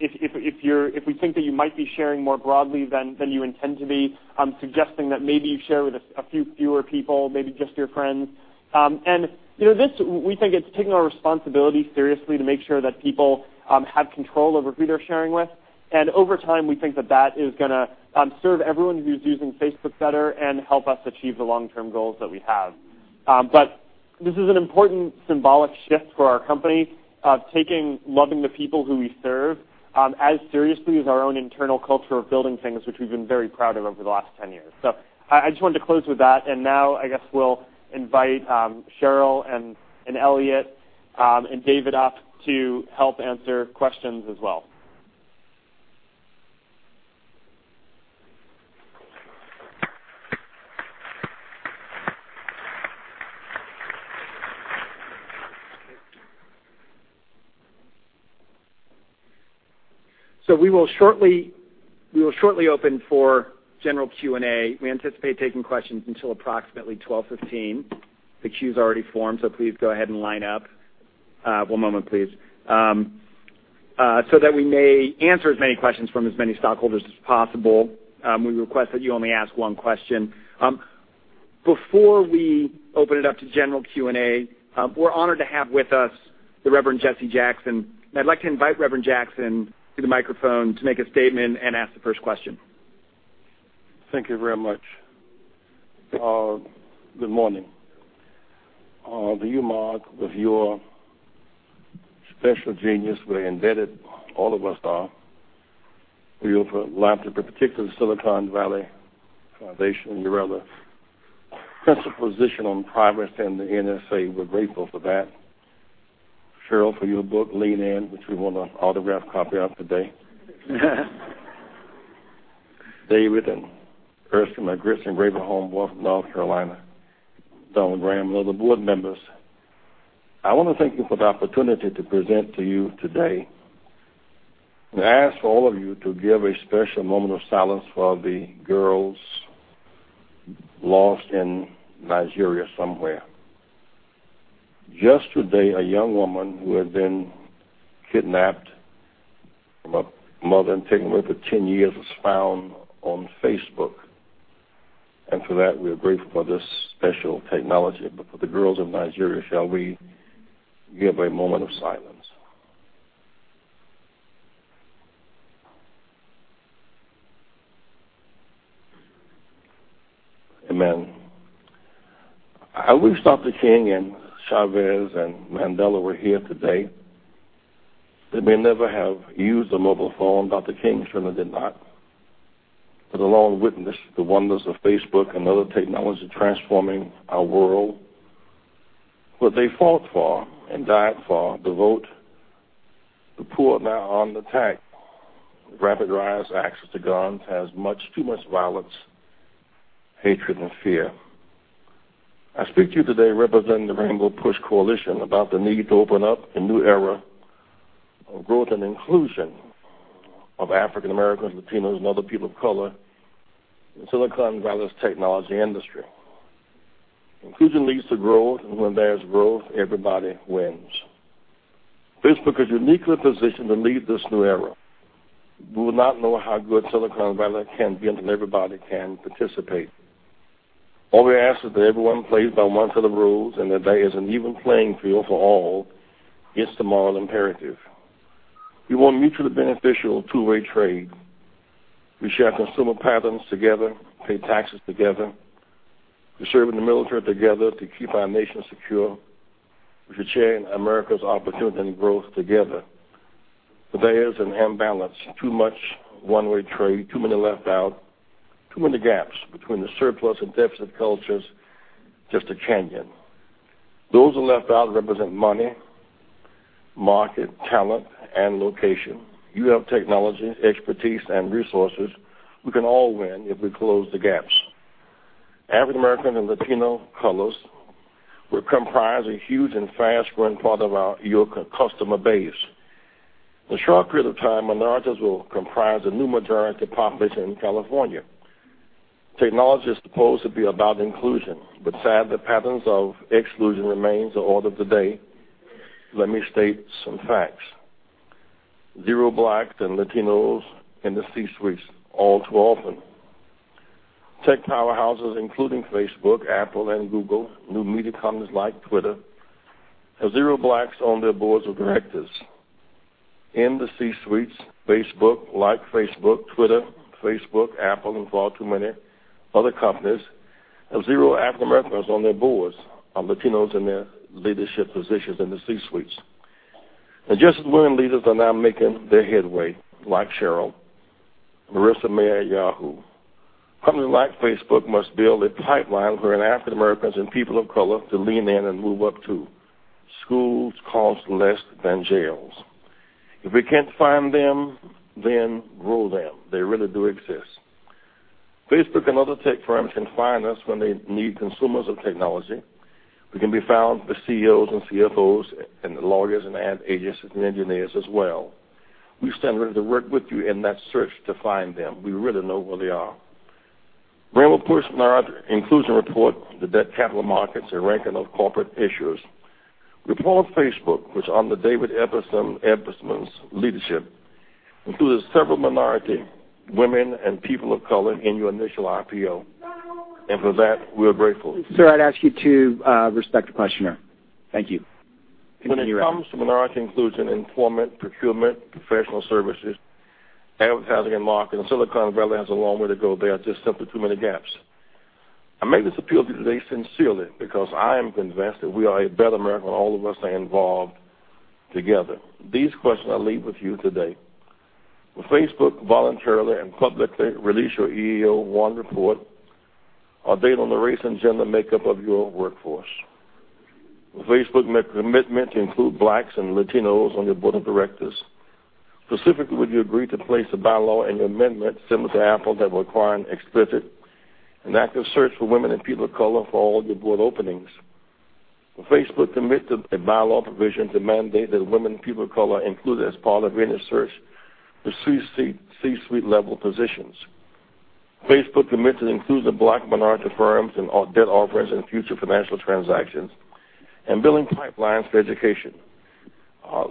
if we think that you might be sharing more broadly than you intend to be, suggesting that maybe you share with a few fewer people, maybe just your friends. You know, this, we think it's taking our responsibility seriously to make sure that people have control over who they're sharing with. Over time, we think that that is gonna serve everyone who's using Facebook better and help us achieve the long-term goals that we have. This is an important symbolic shift for our company, taking loving the people who we serve, as seriously as our own internal culture of building things, which we've been very proud of over the last 10 years. I just wanted to close with that. Now I guess we'll invite Sheryl and Elliot, and David up to help answer questions as well. We will shortly open for general Q&A. We anticipate taking questions until approximately 12:15 P.M. The queue's already formed, please go ahead and line up. One moment, please. That we may answer as many questions from as many stockholders as possible, we request that you only ask one question. Before we open it up to general Q&A, we're honored to have with us the Reverend Jesse Jackson. I'd like to invite Reverend Jackson to the microphone to make a statement and ask the first question. Thank you very much. Good morning. To you, Mark, with your special genius, we're indebted, all of us are. We owe for a lot, in particular, the Silicon Valley Community Foundation and your other principal position on progress and the NSA, we're grateful for that. Sheryl, for your book, Lean In, which we want an autographed copy of today. David and Erskine, my grandson, [Raven Homeboy] from North Carolina, Donald Graham, and other board members. I want to thank you for the opportunity to present to you today, and ask all of you to give a special moment of silence for the girls lost in Nigeria somewhere. Just today, a young woman who had been kidnapped from her mother and taken away for 10 years was found on Facebook. For that, we are grateful for this special technology. For the girls of Nigeria, shall we give a moment of silence? Amen. I wish Dr. King and Chavez and Mandela were here today. They may never have used a mobile phone. Dr. King certainly did not. They're long witnessed the wonders of Facebook and other technology transforming our world. What they fought for and died for, the vote, the poor are now on attack. Rapid rise, access to guns has much, too much violence, hatred, and fear. I speak to you today representing the Rainbow PUSH Coalition about the need to open up a new era of growth and inclusion of African Americans, Latinos, and other people of color in Silicon Valley's technology industry. Inclusion leads to growth. When there's growth, everybody wins. Facebook is uniquely positioned to lead this new era. We will not know how good Silicon Valley can be until everybody can participate. All we ask is that everyone plays by one set of rules and that there is an even playing field for all. It's the moral imperative. We want mutually beneficial two-way trade. We share consumer patterns together, pay taxes together. We serve in the military together to keep our nation secure. We should share in America's opportunity and growth together. There is an imbalance. Too much one-way trade, too many left out, too many gaps between the surplus and deficit cultures, just a canyon. Those left out represent money, market, talent, and location. You have technology, expertise, and resources. We can all win if we close the gaps. African American and Latino cultures will comprise a huge and fast-growing part of our-- your customer base. In a short period of time, minorities will comprise a new majority population in California. Technology is supposed to be about inclusion, sad the patterns of exclusion remains the order of the day. Let me state some facts. Zero Blacks and Latinos in the C-suites, all too often. Tech powerhouses, including Facebook, Apple, and Google, new media companies like Twitter, have zero Blacks on their boards of directors. In the C-suites, Facebook, like Facebook, Twitter, Facebook, Apple, and far too many other companies, have zero African Americans on their boards or Latinos in their leadership positions in the C-suites. Just as women leaders are now making their headway, like Sheryl, Marissa Mayer at Yahoo, companies like Facebook must build a pipeline for an African Americans and people of color to Lean In and move up, too. Schools cost less than jails. If we can't find them, grow them. They really do exist. Facebook and other tech firms can find us when they need consumers of technology. We can be found, the CEOs and CFOs and the lawyers and ad agents and engineers as well. We stand ready to work with you in that search to find them. We really know where they are. Rainbow PUSH Minority Inclusion Report, the debt capital markets and ranking of corporate issuers. Reports Facebook, which under David Ebersman's leadership, included several minority women and people of color in your initial IPO. For that, we are grateful. Sir, I'd ask you to respect the questioner. Thank you. When it comes to minority inclusion in employment, procurement, professional services, advertising and marketing, Silicon Valley has a long way to go. There are just simply too many gaps. I make this appeal to you today sincerely because I am convinced that we are a better America when all of us are involved together. These questions I leave with you today. Will Facebook voluntarily and publicly release your EEO-1 report or data on the race and gender makeup of your workforce? Will Facebook make a commitment to include Blacks and Latinos on your board of directors? Specifically, would you agree to place a bylaw and amendment similar to Apple that require an explicit and active search for women and people of color for all your board openings? Will Facebook commit to a bylaw provision to mandate that women and people of color are included as part of your search for C-suite, C-suite level positions? Facebook commit to include the Black minority firms in all debt offerings and future financial transactions and building pipelines for education?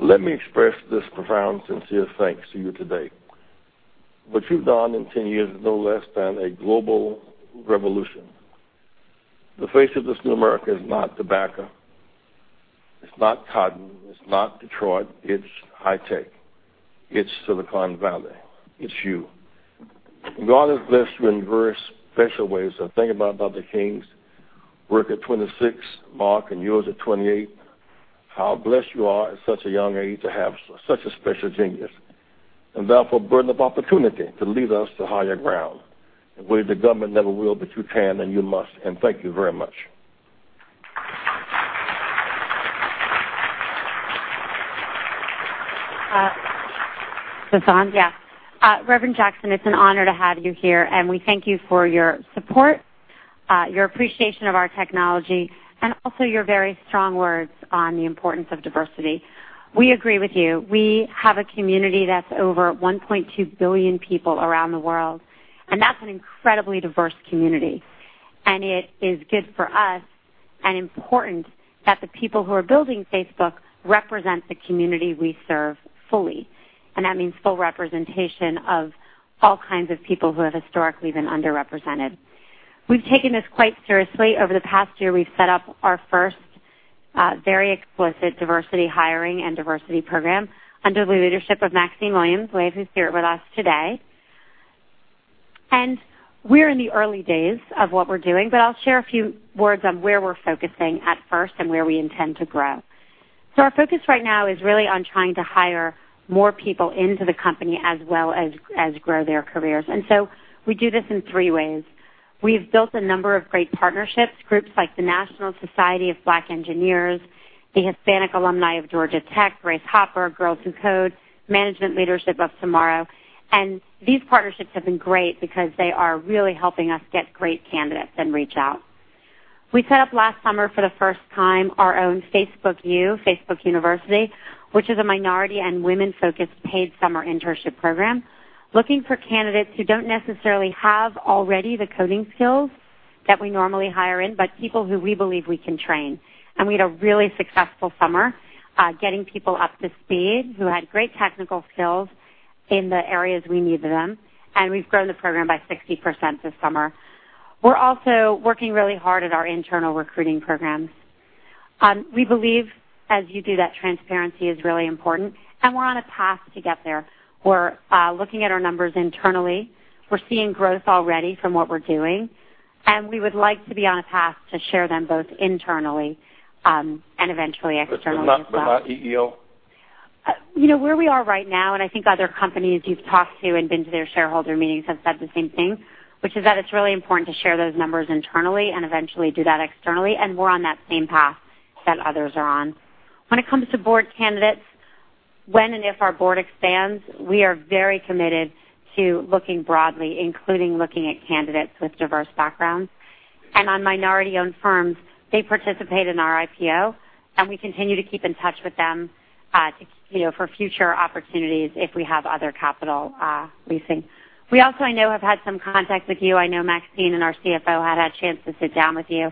Let me express this profound sincere thanks to you today. What you've done in 10 years is no less than a global revolution. The face of this new America is not tobacco, it's not cotton, it's not Detroit, it's high tech, it's Silicon Valley, it's you. God has blessed you in very special ways. I think about Dr. King's work at 26, Mark, and yours at 28. How blessed you are at such a young age to have such a special genius, and therefore a burden of opportunity to lead us to higher ground. We, the government, never will, but you can, and you must. Thank you very much. Is this on? Yeah. Reverend Jackson, it's an honor to have you here, and we thank you for your support, your appreciation of our technology, and also your very strong words on the importance of diversity. We agree with you. We have a community that's over 1.2 billion people around the world, and that's an incredibly diverse community. It is good for us and important that the people who are building Facebook represent the community we serve fully, and that means full representation of all kinds of people who have historically been underrepresented. We've taken this quite seriously. Over the past year, we've set up our first, very explicit diversity hiring and diversity program under the leadership of Maxine Williams, wave, who's here with us today. We're in the early days of what we're doing, but I'll share a few words on where we're focusing at first and where we intend to grow. Our focus right now is really on trying to hire more people into the company as well as grow their careers. We do this in three ways. We've built a number of great partnerships, groups like the National Society of Black Engineers, the Hispanic Alumni of Georgia Tech, Grace Hopper, Girls Who Code, Management Leadership for Tomorrow. These partnerships have been great because they are really helping us get great candidates and reach out. We set up last summer for the first time our own Facebook U, Facebook University, which is a minority and women-focused paid summer internship program, looking for candidates who don't necessarily have already the coding skills that we normally hire in, but people who we believe we can train. We had a really successful summer, getting people up to speed who had great technical skills in the areas we needed them, and we've grown the program by 60% this summer. We're also working really hard at our internal recruiting programs. We believe, as you do, that transparency is really important, and we're on a path to get there. We're looking at our numbers internally. We're seeing growth already from what we're doing, and we would like to be on a path to share them both internally and eventually externally as well. Not EEO? You know, where we are right now, and I think other companies you've talked to and been to their shareholder meetings have said the same thing, which is that it's really important to share those numbers internally and eventually do that externally. We're on that same path that others are on. When it comes to board candidates, when and if our board expands, we are very committed to looking broadly, including looking at candidates with diverse backgrounds. On minority-owned firms, they participate in our IPO, and we continue to keep in touch with them, you know, for future opportunities if we have other capital leasing. We also, I know, have had some contact with you. I know Maxine and our CFO had a chance to sit down with you.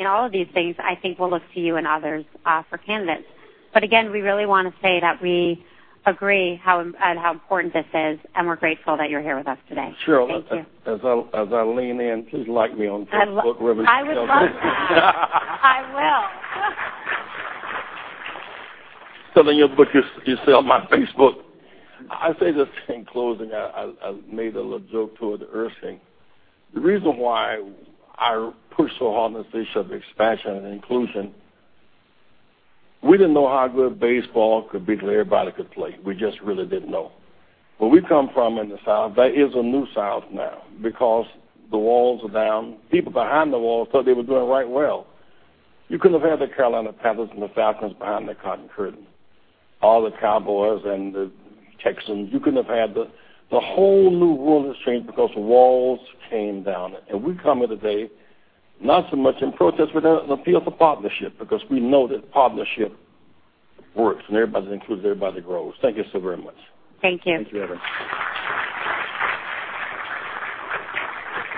In all of these things, I think we'll look to you and others, for candidates. Again, we really wanna say that we agree how important this is, and we're grateful that you're here with us today. Thank you. Sheryl, as I Lean In, please like me on Facebook, Reverend Jackson. I would love to. I will. Selling your book, you sell mine, Facebook. I say this in closing. I made a little joke toward the Earth thing. The reason why I push so hard on this issue of expansion and inclusion, we didn't know how good baseball could be till everybody could play. We just really didn't know. Where we come from in the South, that is a new South now because the walls are down. People behind the walls thought they were doing right well. You couldn't have had the Carolina Panthers and the Falcons behind the cotton curtain. All the Cowboys and the Texans, you couldn't have had the whole new world has changed because walls came down. We come here today, not so much in protest, but in an appeal for partnership because we know that partnership works, and everybody's included, everybody grows. Thank you so very much. Thank you. Thank you, Reverend.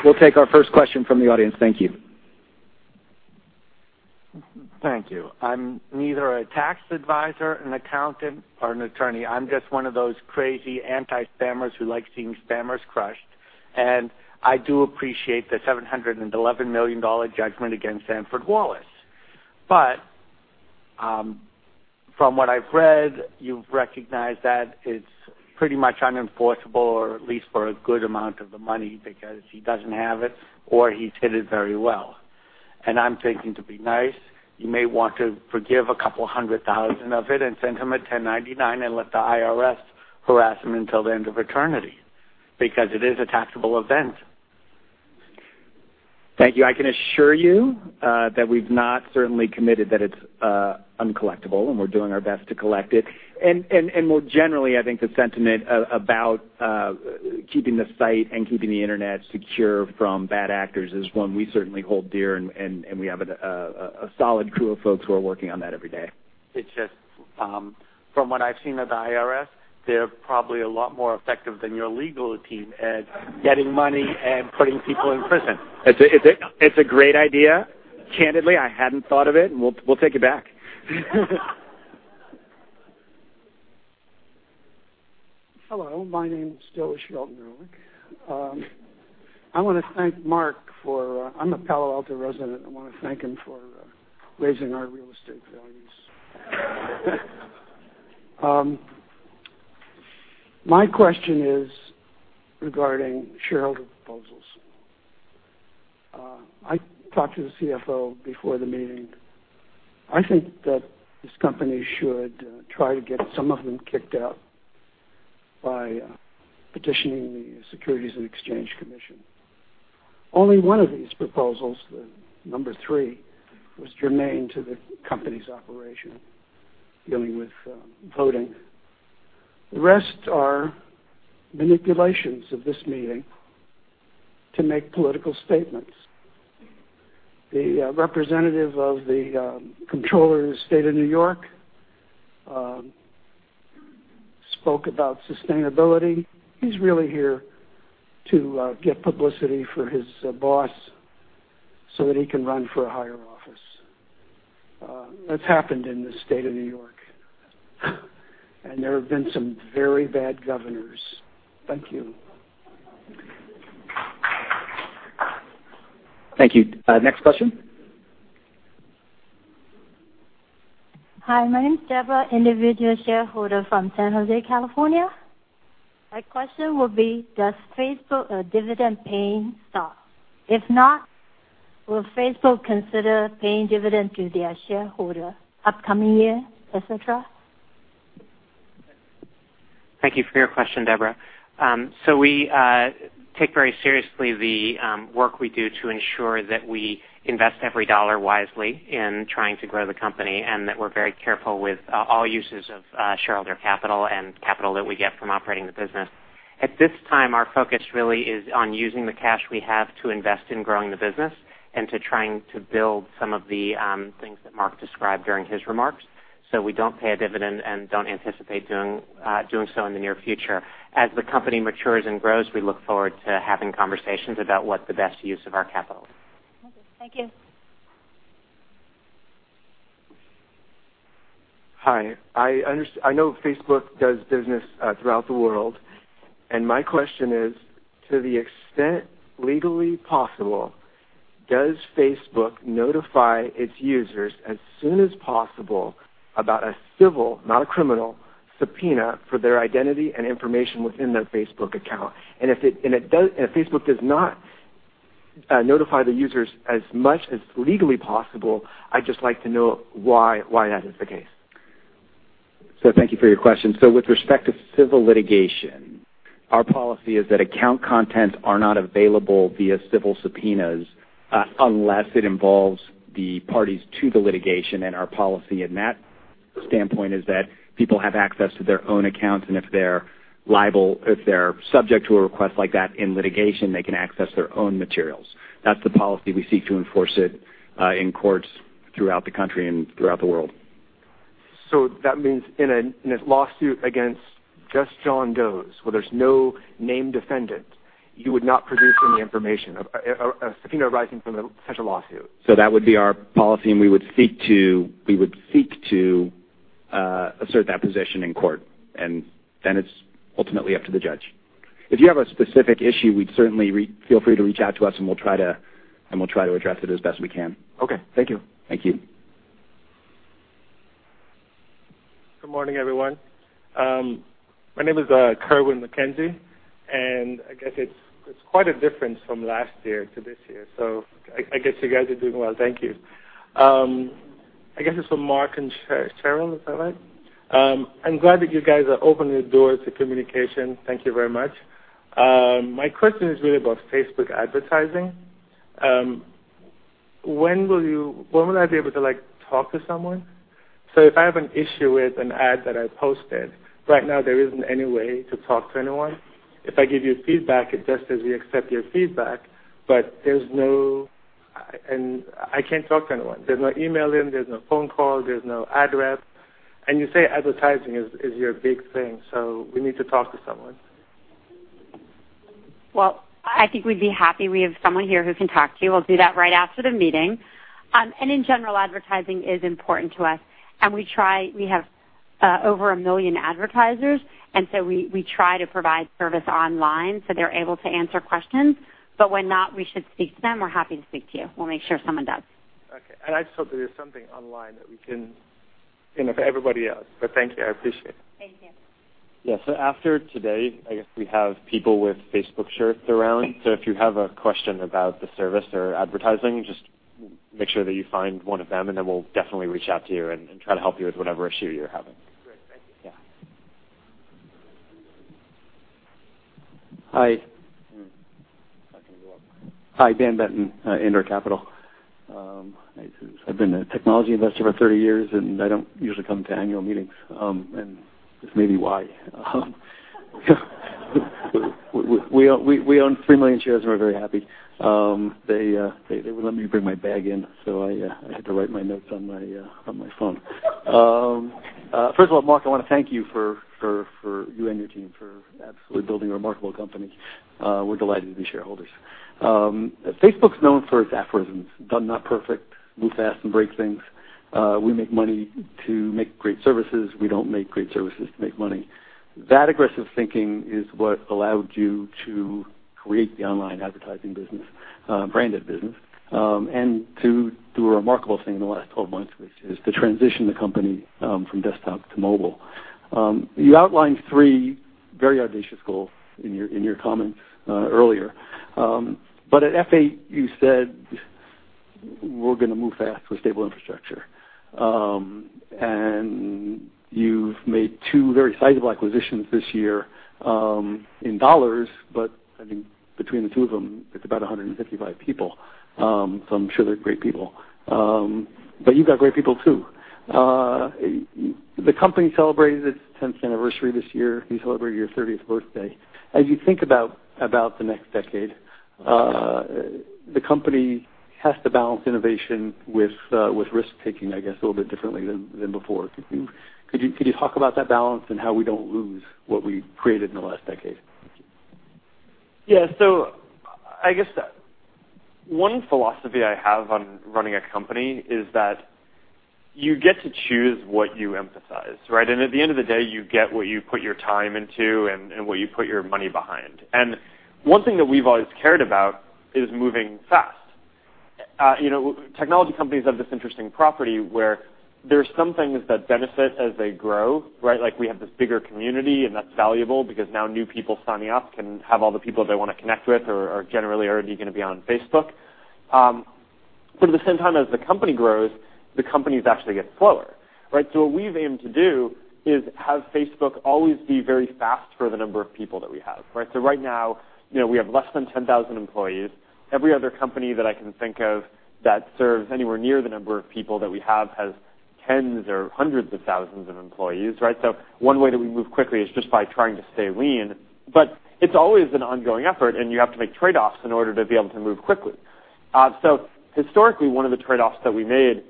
We'll take our first question from the audience. Thank you. Thank you. I'm neither a tax advisor, an accountant, or an attorney. I'm just one of those crazy anti-spammers who likes seeing spammers crushed. I do appreciate the $711 million judgment against Sanford Wallace. From what I've read, you've recognized that it's pretty much unenforceable or at least for a good amount of the money because he doesn't have it or he's hid it very well. I'm thinking, to be nice, you may want to forgive $200,000 of it and send him a 1099 and let the IRS harass him until the end of eternity because it is a taxable event. Thank you. I can assure you that we've not certainly committed that it's uncollectible, and we're doing our best to collect it. More generally, I think the sentiment about keeping the site and keeping the internet secure from bad actors is one we certainly hold dear, and we have a solid crew of folks who are working on that every day. It's just, from what I've seen of the IRS, they're probably a lot more effective than your legal team at getting money and putting people in prison. It's a great idea. Candidly, I hadn't thought of it, and we'll take it back. Hello, my name is Joe Shelton-Erlick. I'm a Palo Alto resident. I wanna thank Mark for raising our real estate values. My question is regarding shareholder proposals. I talked to the CFO before the meeting. I think that this company should try to get some of them kicked out by petitioning the Securities and Exchange Commission. Only one of these proposals, the number three, was germane to the company's operation, dealing with voting. The rest are manipulations of this meeting to make political statements. The representative of the Comptroller of the State of New York spoke about sustainability. He's really here to get publicity for his boss so that he can run for a higher office. That's happened in the state of New York, and there have been some very bad governors. Thank you. Thank you. Next question. Hi, my name is Debra, individual shareholder from San Jose, California. My question will be, does Facebook a dividend-paying stock? If not, will Facebook consider paying dividend to their shareholder upcoming year, et cetera? Thank you for your question, Debra. We take very seriously the work we do to ensure that we invest every dollar wisely in trying to grow the company, and that we're very careful with all uses of shareholder capital and capital that we get from operating the business. At this time, our focus really is on using the cash we have to invest in growing the business and to trying to build some of the things that Mark described during his remarks. We don't pay a dividend and don't anticipate doing so in the near future. As the company matures and grows, we look forward to having conversations about what the best use of our capital is. Okay. Thank you. Hi. I know Facebook does business throughout the world. My question is: To the extent legally possible, does Facebook notify its users as soon as possible about a civil, not a criminal, subpoena for their identity and information within their Facebook account? If Facebook does not notify the users as much as legally possible, I'd just like to know why that is the case. Thank you for your question. With respect to civil litigation, our policy is that account contents are not available via civil subpoenas unless it involves the parties to the litigation. Our policy in that standpoint is that people have access to their own accounts, and if they're liable, if they're subject to a request like that in litigation, they can access their own materials. That's the policy. We seek to enforce it in courts throughout the country and throughout the world. That means in a lawsuit against just John Does, where there's no named defendant, you would not produce any information, a subpoena arising from the such a lawsuit. That would be our policy, we would seek to assert that position in court. It's ultimately up to the judge. If you have a specific issue, we'd certainly feel free to reach out to us, and we'll try to address it as best we can. Okay. Thank you. Thank you. Good morning, everyone. My name is Kerwin McKenzie, I guess it's quite a difference from last year to this year, I guess you guys are doing well. Thank you. I guess it's for Mark and Sheryl, is that right? I'm glad that you guys are opening the doors to communication. Thank you very much. My question is really about Facebook advertising. When will I be able to, like, talk to someone? If I have an issue with an ad that I posted, right now there isn't any way to talk to anyone. If I give you feedback, it's just as you accept your feedback, but there's no, and I can't talk to anyone. There's no email in, there's no phone call, there's no address. You say advertising is your big thing, so we need to talk to someone. Well, I think we'd be happy. We have someone here who can talk to you. We'll do that right after the meeting. In general, advertising is important to us, and We have over 1 million advertisers, and so we try to provide service online, so they're able to answer questions. When not, we should speak to them. We're happy to speak to you. We'll make sure someone does. Okay. I just hope that there's something online that we can, you know, for everybody else. Thank you, I appreciate it. Thank you. Yeah. After today, I guess we have people with Facebook shirts around. If you have a question about the service or advertising, just make sure that you find one of them, and then we'll definitely reach out to you and try to help you with whatever issue you're having. Great. Thank you. Yeah. Hi. Hi, Dan Benton, Andor Capital. I've been a technology investor for 30 years, and I don't usually come to annual meetings, and this may be why. We own three million shares, and we're very happy. They wouldn't let me bring my bag in, so I had to write my notes on my phone. First of all, Mark Zuckerberg, I want to thank you for you and your team for absolutely building a remarkable company. We're delighted to be shareholders. Facebook's known for its aphorisms, "Done, not perfect," "Move fast and break things." We make money to make great services. We don't make great services to make money. That aggressive thinking is what allowed you to create the online advertising business, branded business, and to do a remarkable thing in the last 12 months, which is to transition the company from desktop to mobile. You outlined three very audacious goals in your comments earlier. At F8 you said, "We're going to move fast with stable infrastructure." You've made two very sizable acquisitions this year, in dollars, but I think between the two of them, it's about 155 people. I'm sure they're great people. You've got great people too. The company celebrated its 10th anniversary this year, you celebrate your 30th birthday. As you think about the next decade, the company has to balance innovation with risk-taking, I guess, a little bit differently than before. Could you talk about that balance and how we don't lose what we created in the last decade? I guess one philosophy I have on running a company is that you get to choose what you emphasize, right? At the end of the day, you get what you put your time into and what you put your money behind. One thing that we've always cared about is moving fast. You know, technology companies have this interesting property where there's some things that benefit as they grow, right? Like, we have this bigger community, and that's valuable because now new people signing up can have all the people they wanna connect with or generally are already gonna be on Facebook. At the same time as the company grows, the companies actually get slower, right? What we've aimed to do is have Facebook always be very fast for the number of people that we have, right? Right now, you know, we have less than 10,000 employees. Every other company that I can think of that serves anywhere near the number of people that we have has tens or hundreds of thousands of employees, right? One way that we move quickly is just by trying to stay lean. It's always an ongoing effort, and you have to make trade-offs in order to be able to move quickly. Historically, one of the trade-offs that we made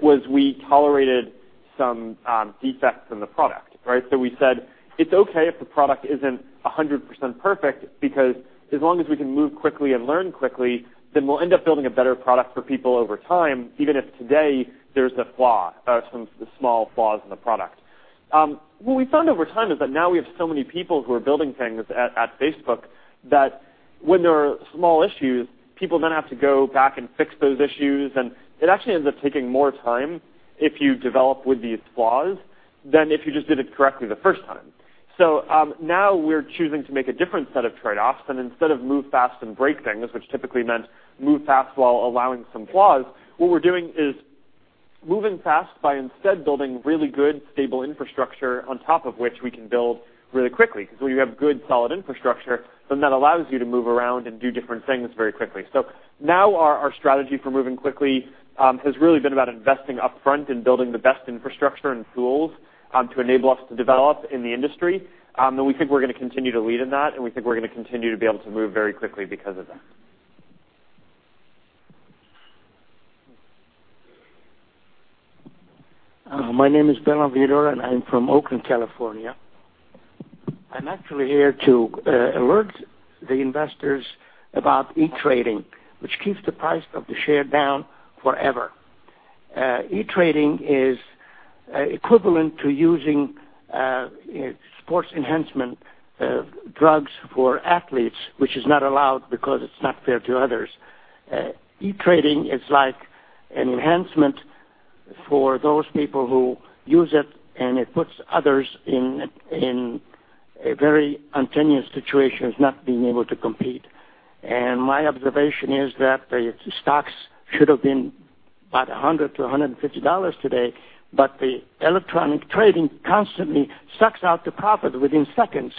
was we tolerated some defects in the product, right? We said, "It's okay if the product isn't 100% perfect because as long as we can move quickly and learn quickly, then we'll end up building a better product for people over time, even if today there's a flaw, some small flaws in the product." What we found over time is that now we have so many people who are building things at Facebook that when there are small issues, people then have to go back and fix those issues, and it actually ends up taking more time if you develop with these flaws than if you just did it correctly the first time. now we're choosing to make a different set of trade-offs, and instead of move fast and break things, which typically meant move fast while allowing some flaws, what we're doing is moving fast by instead building really good, stable infrastructure on top of which we can build really quickly. 'Cause when you have good, solid infrastructure, then that allows you to move around and do different things very quickly. now our strategy for moving quickly has really been about investing upfront and building the best infrastructure and tools to enable us to develop in the industry. we think we're gonna continue to lead in that, and we think we're gonna continue to be able to move very quickly because of that. My name is Ben Avidor, I'm from Oakland, California. I'm actually here to alert the investors about e-trading, which keeps the price of the share down forever. E-trading is equivalent to using sports enhancement drugs for athletes, which is not allowed because it's not fair to others. E-trading is like an enhancement for those people who use it puts others in a very tenuous situation of not being able to compete. My observation is that the stocks should have been about $100-$150 today, the electronic trading constantly sucks out the profit within seconds.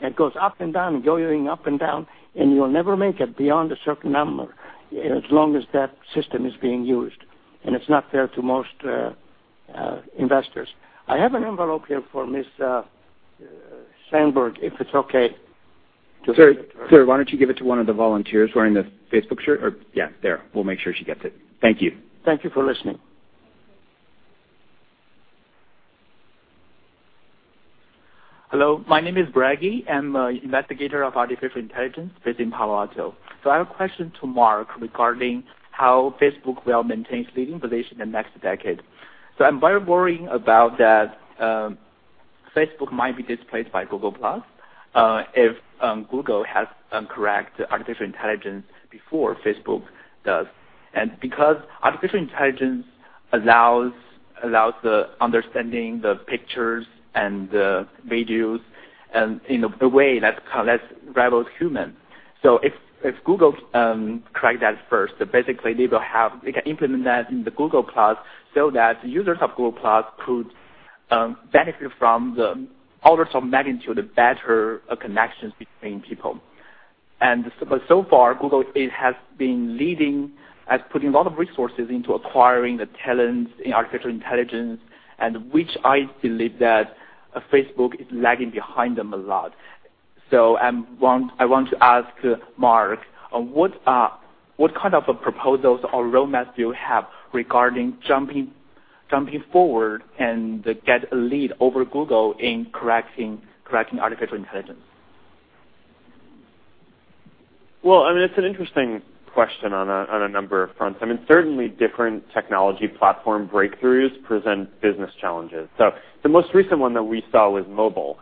It goes up and down, yoyoing up and down, you will never make it beyond a certain number as long as that system is being used, it's not fair to most investors. I have an envelope here for Miss Sandberg, if it's okay to give it to her. Sir, why don't you give it to one of the volunteers wearing the Facebook shirt? Yeah, there. We'll make sure she gets it. Thank you. Thank you for listening. Hello. My name is Bragi. I'm an Investigator of Artificial Intelligence based in Palo Alto. I have a question to Mark regarding how Facebook will maintain leading position in the next decade. I'm very worrying about that, Facebook might be displaced by Google+, if Google has correct artificial intelligence before Facebook does. Because artificial intelligence allows the understanding the pictures and the videos in a way that kind of rivals humans. If Google crack that first, basically they can implement that in the Google+ so that users of Google+ could benefit from the orders of magnitude, better connections between people. So far, Google has been leading at putting a lot of resources into acquiring the talents in artificial intelligence, and which I believe that Facebook is lagging behind them a lot. I want to ask Mark, what kind of proposals or road maps do you have regarding jumping forward and get a lead over Google in correcting artificial intelligence? Well, I mean, it's an interesting question on a, on a number of fronts. I mean, certainly different technology platform breakthroughs present business challenges. The most recent one that we saw was mobile.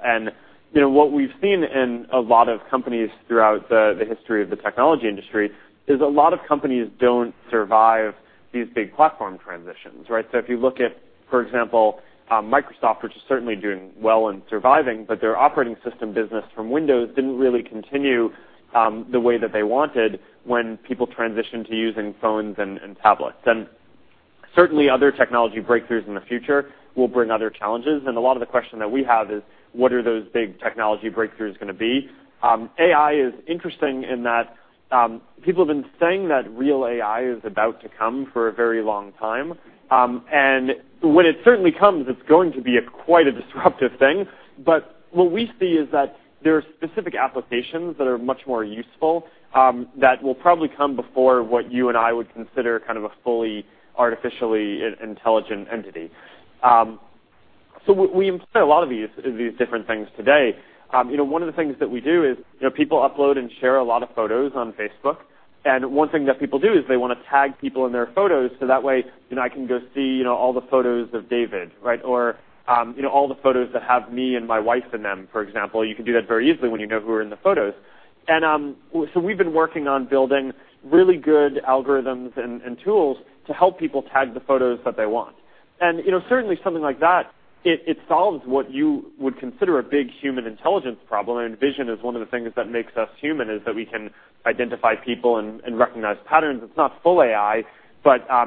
You know, what we've seen in a lot of companies throughout the history of the technology industry is a lot of companies don't survive these big platform transitions, right? If you look at, for example, Microsoft, which is certainly doing well and surviving, but their operating system business from Windows didn't really continue the way that they wanted when people transitioned to using phones and tablets. Certainly, other technology breakthroughs in the future will bring other challenges. A lot of the question that we have is what are those big technology breakthroughs gonna be? AI is interesting in that people have been saying that real AI is about to come for a very long time. When it certainly comes, it's going to be a quite a disruptive thing. What we see is that there are specific applications that are much more useful that will probably come before what you and I would consider kind of a fully artificially in-intelligent entity. We employ a lot of these different things today. You know, one of the things that we do is, you know, people upload and share a lot of photos on Facebook, one thing that people do is they wanna tag people in their photos so that way, you know, I can go see, you know, all the photos of David, right? You know, all the photos that have me and my wife in them, for example. You can do that very easily when you know who are in the photos. We've been working on building really good algorithms and tools to help people tag the photos that they want. You know, certainly something like that, it solves what you would consider a big human intelligence problem, and vision is one of the things that makes us human, is that we can identify people and recognize patterns. It's not full AI,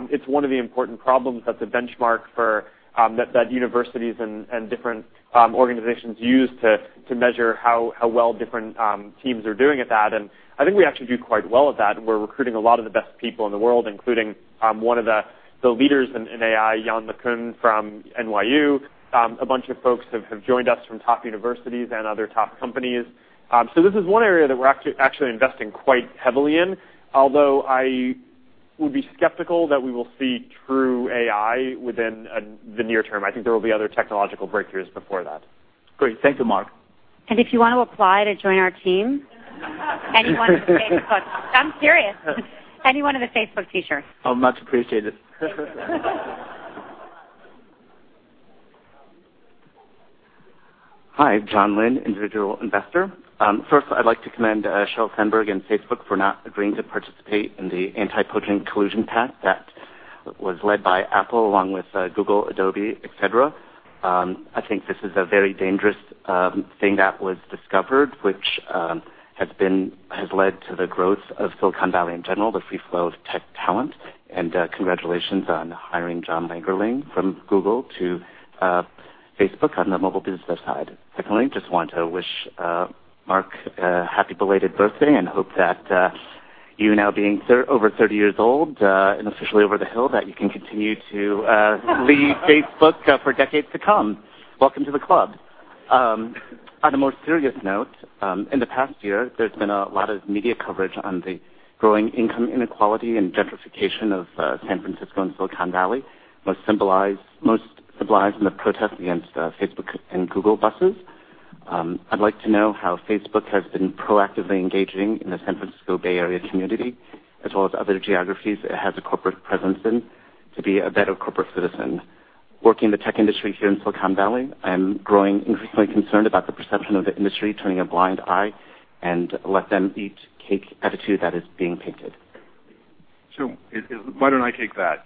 it's one of the important problems that the benchmark for that universities and different organizations use to measure how well different teams are doing at that. I think we actually do quite well at that. We're recruiting a lot of the best people in the world, including one of the leaders in AI, Yann LeCun from NYU. A bunch of folks have joined us from top universities and other top companies. This is one area that we're actually investing quite heavily in, although I would be skeptical that we will see true AI within the near term. I think there will be other technological breakthroughs before that. Great. Thank you, Mark. If you wanna apply to join our team, anyone with a Facebook, I'm serious. Anyone with a Facebook T-shirt. Much appreciated. Hi, John Lin, individual investor. First I'd like to commend Sheryl Sandberg and Facebook for not agreeing to participate in the anti-poaching collusion pact that was led by Apple along with Google, Adobe, et cetera. I think this is a very dangerous thing that was discovered, which has led to the growth of Silicon Valley in general, the free flow of tech talent. Congratulations on hiring John Lagerling from Google to Facebook on the mobile business side. Secondly, just want to wish Mark a happy belated birthday and hope that you now being over 30 years old and officially over the hill, that you can continue to lead Facebook for decades to come. Welcome to the club. On a more serious note, in the past year, there's been a lot of media coverage on the growing income inequality and gentrification of San Francisco and Silicon Valley, most symbolized in the protest against Facebook and Google buses. I'd like to know how Facebook has been proactively engaging in the San Francisco Bay Area community, as well as other geographies it has a corporate presence in to be a better corporate citizen. Working in the tech industry here in Silicon Valley, I am growing increasingly concerned about the perception of the industry turning a blind eye and let them eat cake attitude that is being painted. Why don't I take that?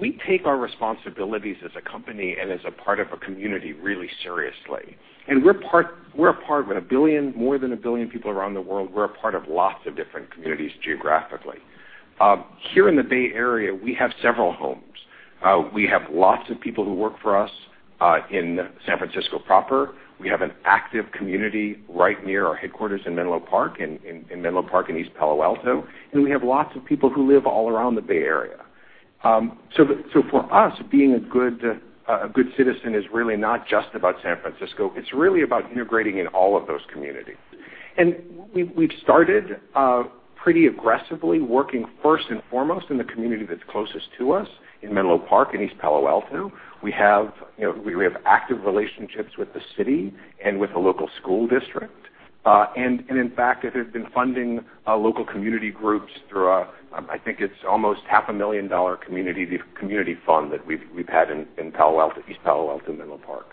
We take our responsibilities as a company and as a part of a community really seriously. We're a part With more than 1 billion people around the world, we're a part of lots of different communities geographically. Here in the Bay Area, we have several homes. We have lots of people who work for us in San Francisco proper. We have an active community right near our headquarters in Menlo Park, in Menlo Park in East Palo Alto, and we have lots of people who live all around the Bay Area. For us, being a good citizen is really not just about San Francisco. It's really about integrating in all of those communities. We've started pretty aggressively working first and foremost in the community that's closest to us in Menlo Park, in East Palo Alto. We have, you know, we have active relationships with the city and with the local school district. In fact, there has been funding local community groups through I think it's almost half a million dollar community fund that we've had in Palo Alto, East Palo Alto, Menlo Park.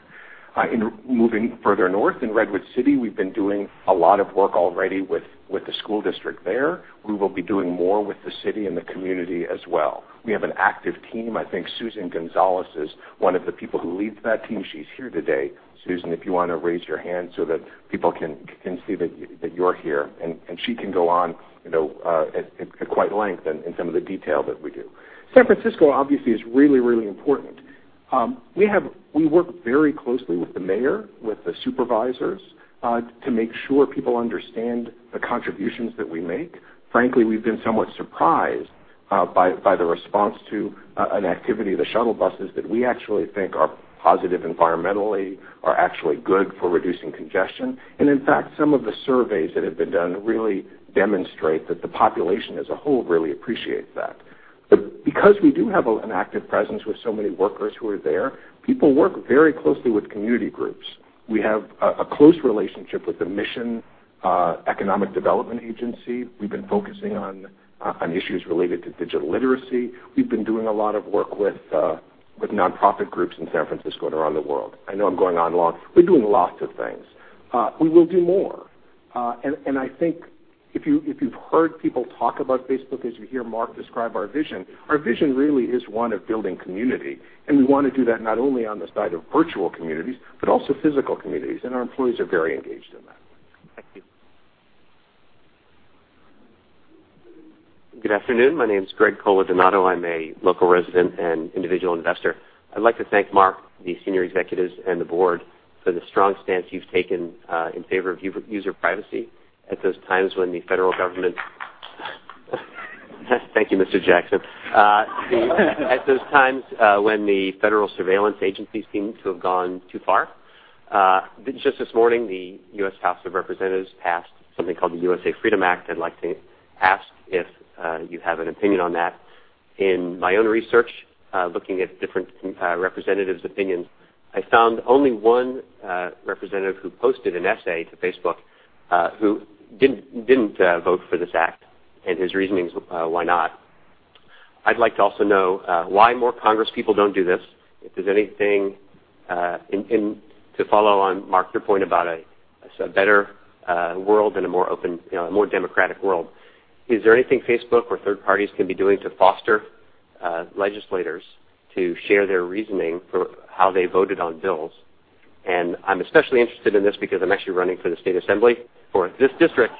In moving further north in Redwood City, we've been doing a lot of work already with the school district there. We will be doing more with the city and the community as well. We have an active team. I think Susan Gonzales is one of the people who leads that team. She's here today. Susan, if you wanna raise your hand so that people can see that you're here, and she can go on, you know, at quite length in some of the detail that we do. San Francisco obviously is really, really important. We work very closely with the mayor, with the supervisors, to make sure people understand the contributions that we make. Frankly, we've been somewhat surprised by the response to an activity of the shuttle buses that we actually think are positive environmentally, are actually good for reducing congestion. In fact, some of the surveys that have been done really demonstrate that the population as a whole really appreciates that. Because we do have an active presence with so many workers who are there, people work very closely with community groups. We have a close relationship with the Mission Economic Development Agency. We've been focusing on issues related to digital literacy. We've been doing a lot of work with nonprofit groups in San Francisco and around the world. I know I'm going on long. We're doing lots of things. We will do more. And I think if you've heard people talk about Facebook, as you hear Mark describe our vision, our vision really is one of building community, and we wanna do that not only on the side of virtual communities, but also physical communities, and our employees are very engaged in that. Thank you. Good afternoon. My name is Greg Coladonato. I'm a local resident and individual investor. I'd like to thank Mark, the senior executives, and the board for the strong stance you've taken in favor of user privacy at those times when the federal government, at those times when the federal surveillance agencies seem to have gone too far. Thank you, Mr. Jackson. Just this morning, the U.S. House of Representatives passed something called the USA FREEDOM Act. I'd like to ask if you have an opinion on that. In my own research, looking at different representatives' opinions, I found only one representative who posted an essay to Facebook, who didn't vote for this act and his reasonings why not. I'd like to also know why more Congress people don't do this. If there's anything to follow on, Mark, your point about a better world and a more open, you know, a more democratic world, is there anything Facebook or third parties can be doing to foster legislators to share their reasoning for how they voted on bills? I'm especially interested in this because I'm actually running for the state assembly for this district.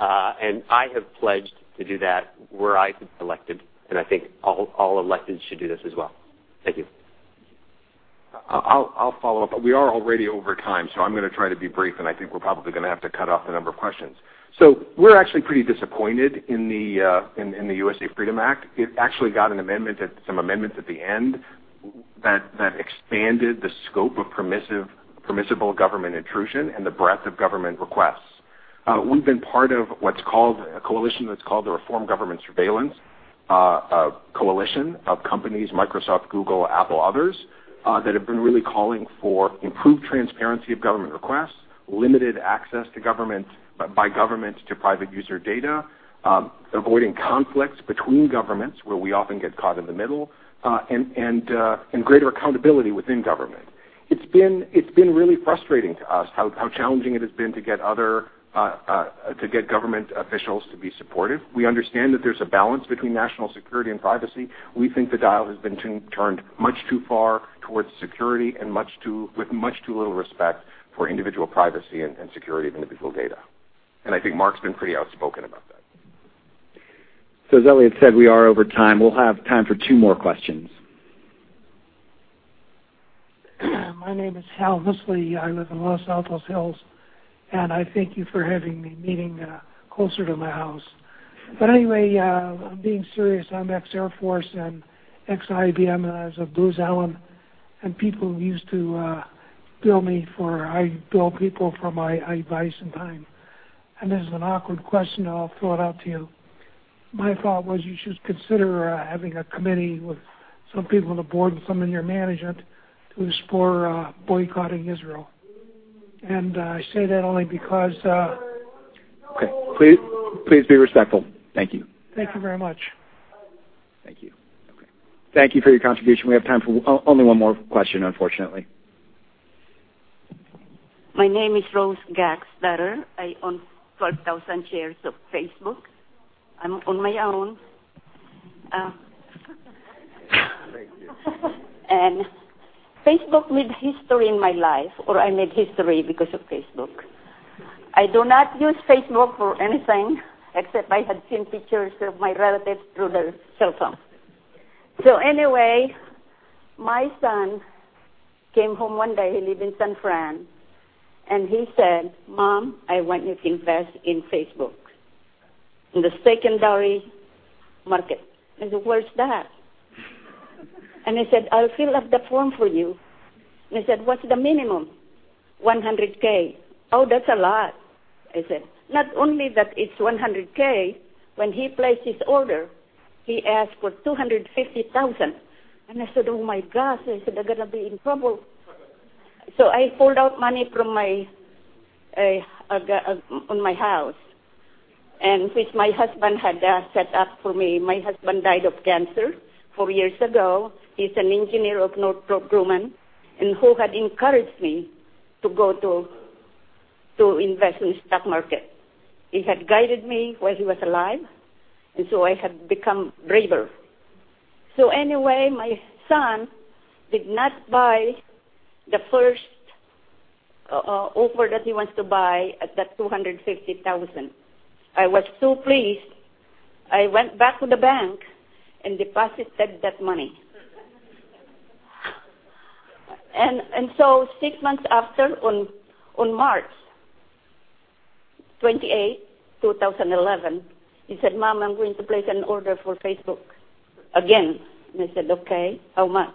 I have pledged to do that where I could be elected, and I think all electeds should do this as well. Thank you. I'll follow up. We are already over time, so I'm gonna try to be brief, and I think we're probably gonna have to cut off a number of questions. We're actually pretty disappointed in the USA FREEDOM Act. It actually got some amendments at the end that expanded the scope of permissible government intrusion and the breadth of government requests. We've been part of what's called a coalition that's called the Reform Government Surveillance, a coalition of companies, Microsoft, Google, Apple, others, that have been really calling for improved transparency of government requests, limited access to government, by government to private user data, avoiding conflicts between governments where we often get caught in the middle, and greater accountability within government. It's been really frustrating to us how challenging it has been to get other to get government officials to be supportive. We understand that there's a balance between national security and privacy. We think the dial has been turned much too far towards security and with much too little respect for individual privacy and security of individual data. I think Mark's been pretty outspoken about that. As Elliot said, we are over time. We'll have time for two more questions. My name is Hal Husley. I live in Los Altos Hills, I thank you for having the meeting closer to my house. Anyway, being serious, I'm ex-Air Force and ex-IBM as a Booz Allen, I bill people for my advice and time. This is an awkward question, I'll throw it out to you. My thought was you should consider having a committee with some people on the board and some of your management to explore boycotting Israel. I say that only because. Okay. Please be respectful. Thank you. Thank you very much. Thank you. Okay. Thank you for your contribution. We have time for only one more question, unfortunately. My name is Rose [Gaxadder]. I own 12,000 shares of Facebook. I'm on my own. Facebook made history in my life, or I made history because of Facebook. I do not use Facebook for anything, except I have seen pictures of my relatives through their cell phone. Anyway, my son came home one day, he live in San Fran, and he said, "Mom, I want you to invest in Facebook, in the secondary market." I said, "Where's that?" He said, "I'll fill up the form for you." I said, "What's the minimum?" "$100K." "Oh, that's a lot," I said. Not only that it's $100K, when he placed his order, he asked for $250,000. I said, "Oh my gosh." I said, "I'm gonna be in trouble." I pulled out money from my on my house, which my husband had set up for me. My husband died of cancer four years ago. He's an engineer of Northrop Grumman, who had encouraged me to go to invest in stock market. He had guided me when he was alive, I had become braver. Anyway, my son did not buy the first offer that he wants to buy at that $250,000. I was so pleased. I went back to the bank and deposited that money. Six months after, on March 28, 2011, he said, "Mom, I'm going to place an order for Facebook again." I said, "Okay. How much?"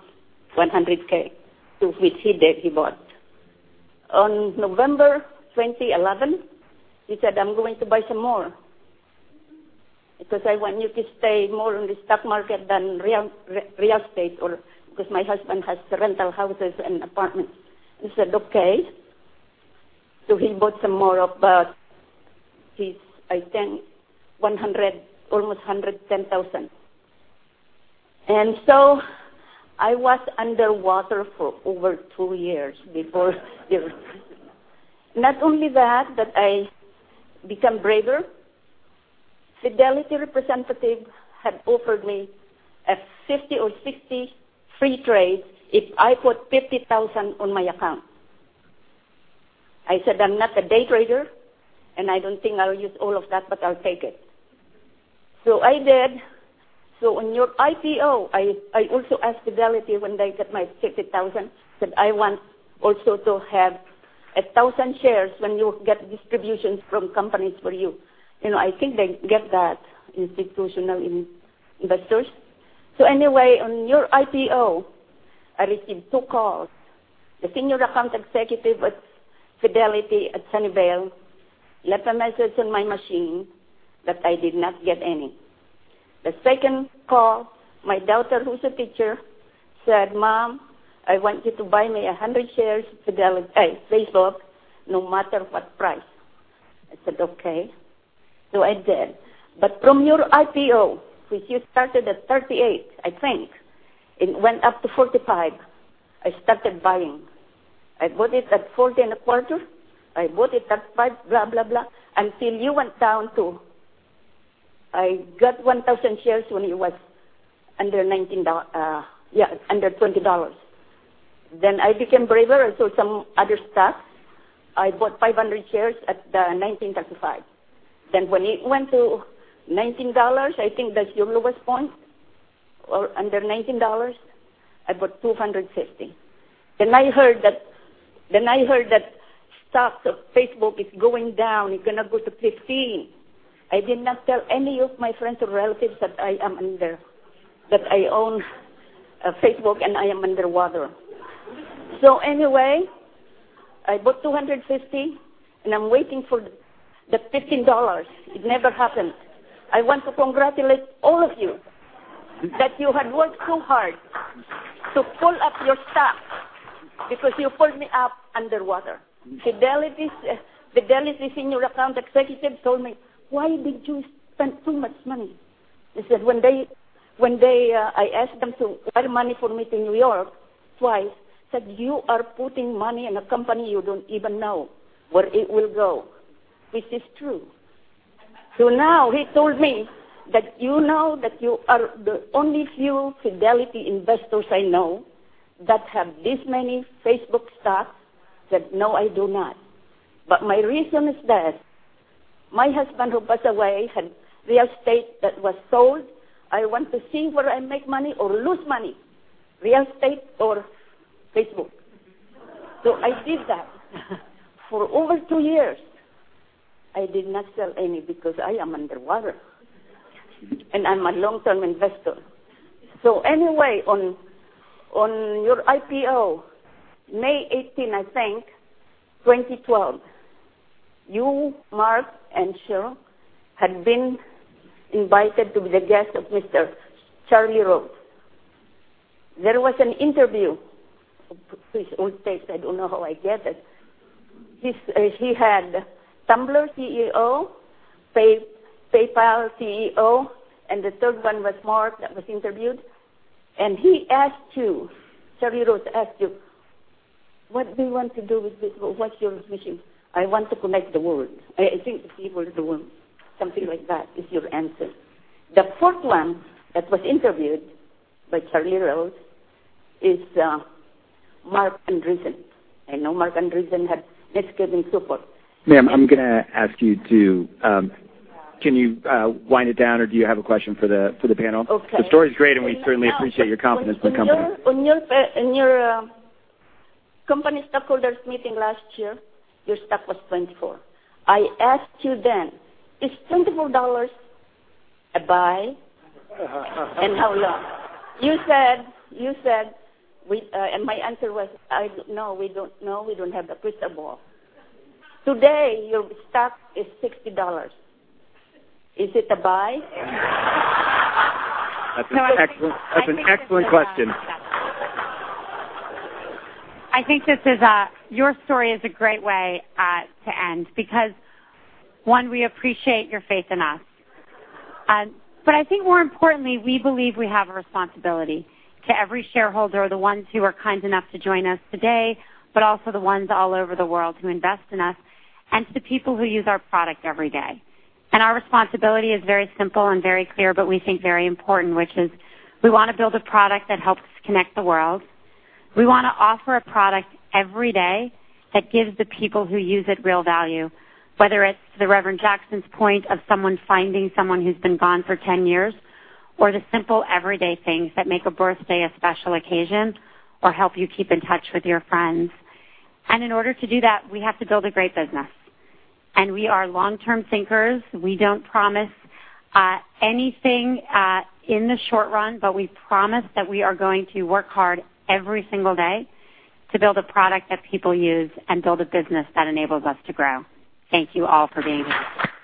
"$100K." He did, he bought. On November 2011, he said, "I'm going to buy some more because I want you to stay more in the stock market than real estate or because my husband has rental houses and apartments." I said, "Okay." He bought some more of his, I think $100, almost $110,000. I was underwater for over two years. Not only that, I become braver. Fidelity representative had offered me a 50 or 60 free trade if I put $50,000 on my account. I said, "I'm not a day trader, and I don't think I'll use all of that, but I'll take it." I did. On your IPO, I also asked Fidelity when they get my $50,000, said, "I want also to have 1,000 shares when you get distributions from companies for you." You know, I think they get that, institutional investors. Anyway, on your IPO, I received two calls. The senior account executive with Fidelity at Sunnyvale left a message on my machine, but I did not get any. The second call, my daughter, who's a teacher, said, "Mom, I want you to buy me 100 shares Facebook no matter what price." I said, "Okay." I did. From your IPO, which you started at $38, I think, it went up to $45. I started buying. I bought it at $40 and a quarter. I bought it at $5, blah, blah, until you went down to I got 1,000 shares when it was under $19, yeah, under $20. I became braver and saw some other stuff. I bought 500 shares at the $19.35. When it went to $19, I think that's your lowest point, or under $19, I bought 250. I heard that stock of Facebook is going down. It's gonna go to $15. I did not tell any of my friends or relatives that I am under, that I own Facebook, and I am underwater. Anyway, I bought 250, and I'm waiting for the $15. It never happened. I want to congratulate all of you that you had worked so hard to pull up your stock because you pulled me up underwater. Fidelity senior account executive told me, "Why did you spend so much money?" He said, when they, I asked them to wire money for me to New York twice, said, "You are putting money in a company you don't even know where it will go." Which is true. Now he told me that, "You know that you are the only few Fidelity investors I know that have this many Facebook stocks." Said, "No, I do not." My reason is that my husband, who passed away, had real estate that was sold. I want to see whether I make money or lose money, real estate or Facebook. I did that. For over two years, I did not sell any because I am underwater. I'm a long-term investor. Anyway, on your IPO, May 18, 2012, you, Mark, and Sheryl had been invited to be the guest of Mr. Charlie Rose. There was an interview. I don't know how I get it. He had Tumblr CEO, PayPal CEO, and the third one was Mark that was interviewed. He asked you, Charlie Rose asked you, "What do you want to do with Facebook? What's your mission?" "I want to connect the world." I think these were the words, something like that is your answer. The fourth one that was interviewed by Charlie Rose is Marc Andreessen. I know Marc Andreessen had Netscape and so forth. Ma'am, Can you wind it down, or do you have a question for the panel? Okay. The story's great, and we certainly appreciate your confidence in the company. On your company stockholders meeting last year, your stock was $24. I asked you then, "Is $24 a buy?" "How low?" You said, my answer was, "No, we don't know. We don't have a crystal ball." Today, your stock is $60. Is it a buy? That's an excellent question. I think this is your story is a great way to end because, one, we appreciate your faith in us. I think more importantly, we believe we have a responsibility to every shareholder, the ones who are kind enough to join us today, but also the ones all over the world who invest in us and to the people who use our product every day. Our responsibility is very simple and very clear, but we think very important, which is we wanna build a product that helps connect the world. We wanna offer a product every day that gives the people who use it real value, whether it's the Reverend Jackson's point of someone finding someone who's been gone for 10 years or the simple everyday things that make a birthday a special occasion or help you keep in touch with your friends. In order to do that, we have to build a great business. We are long-term thinkers. We don't promise anything in the short run, but we promise that we are going to work hard every single day to build a product that people use and build a business that enables us to grow. Thank you all for being here.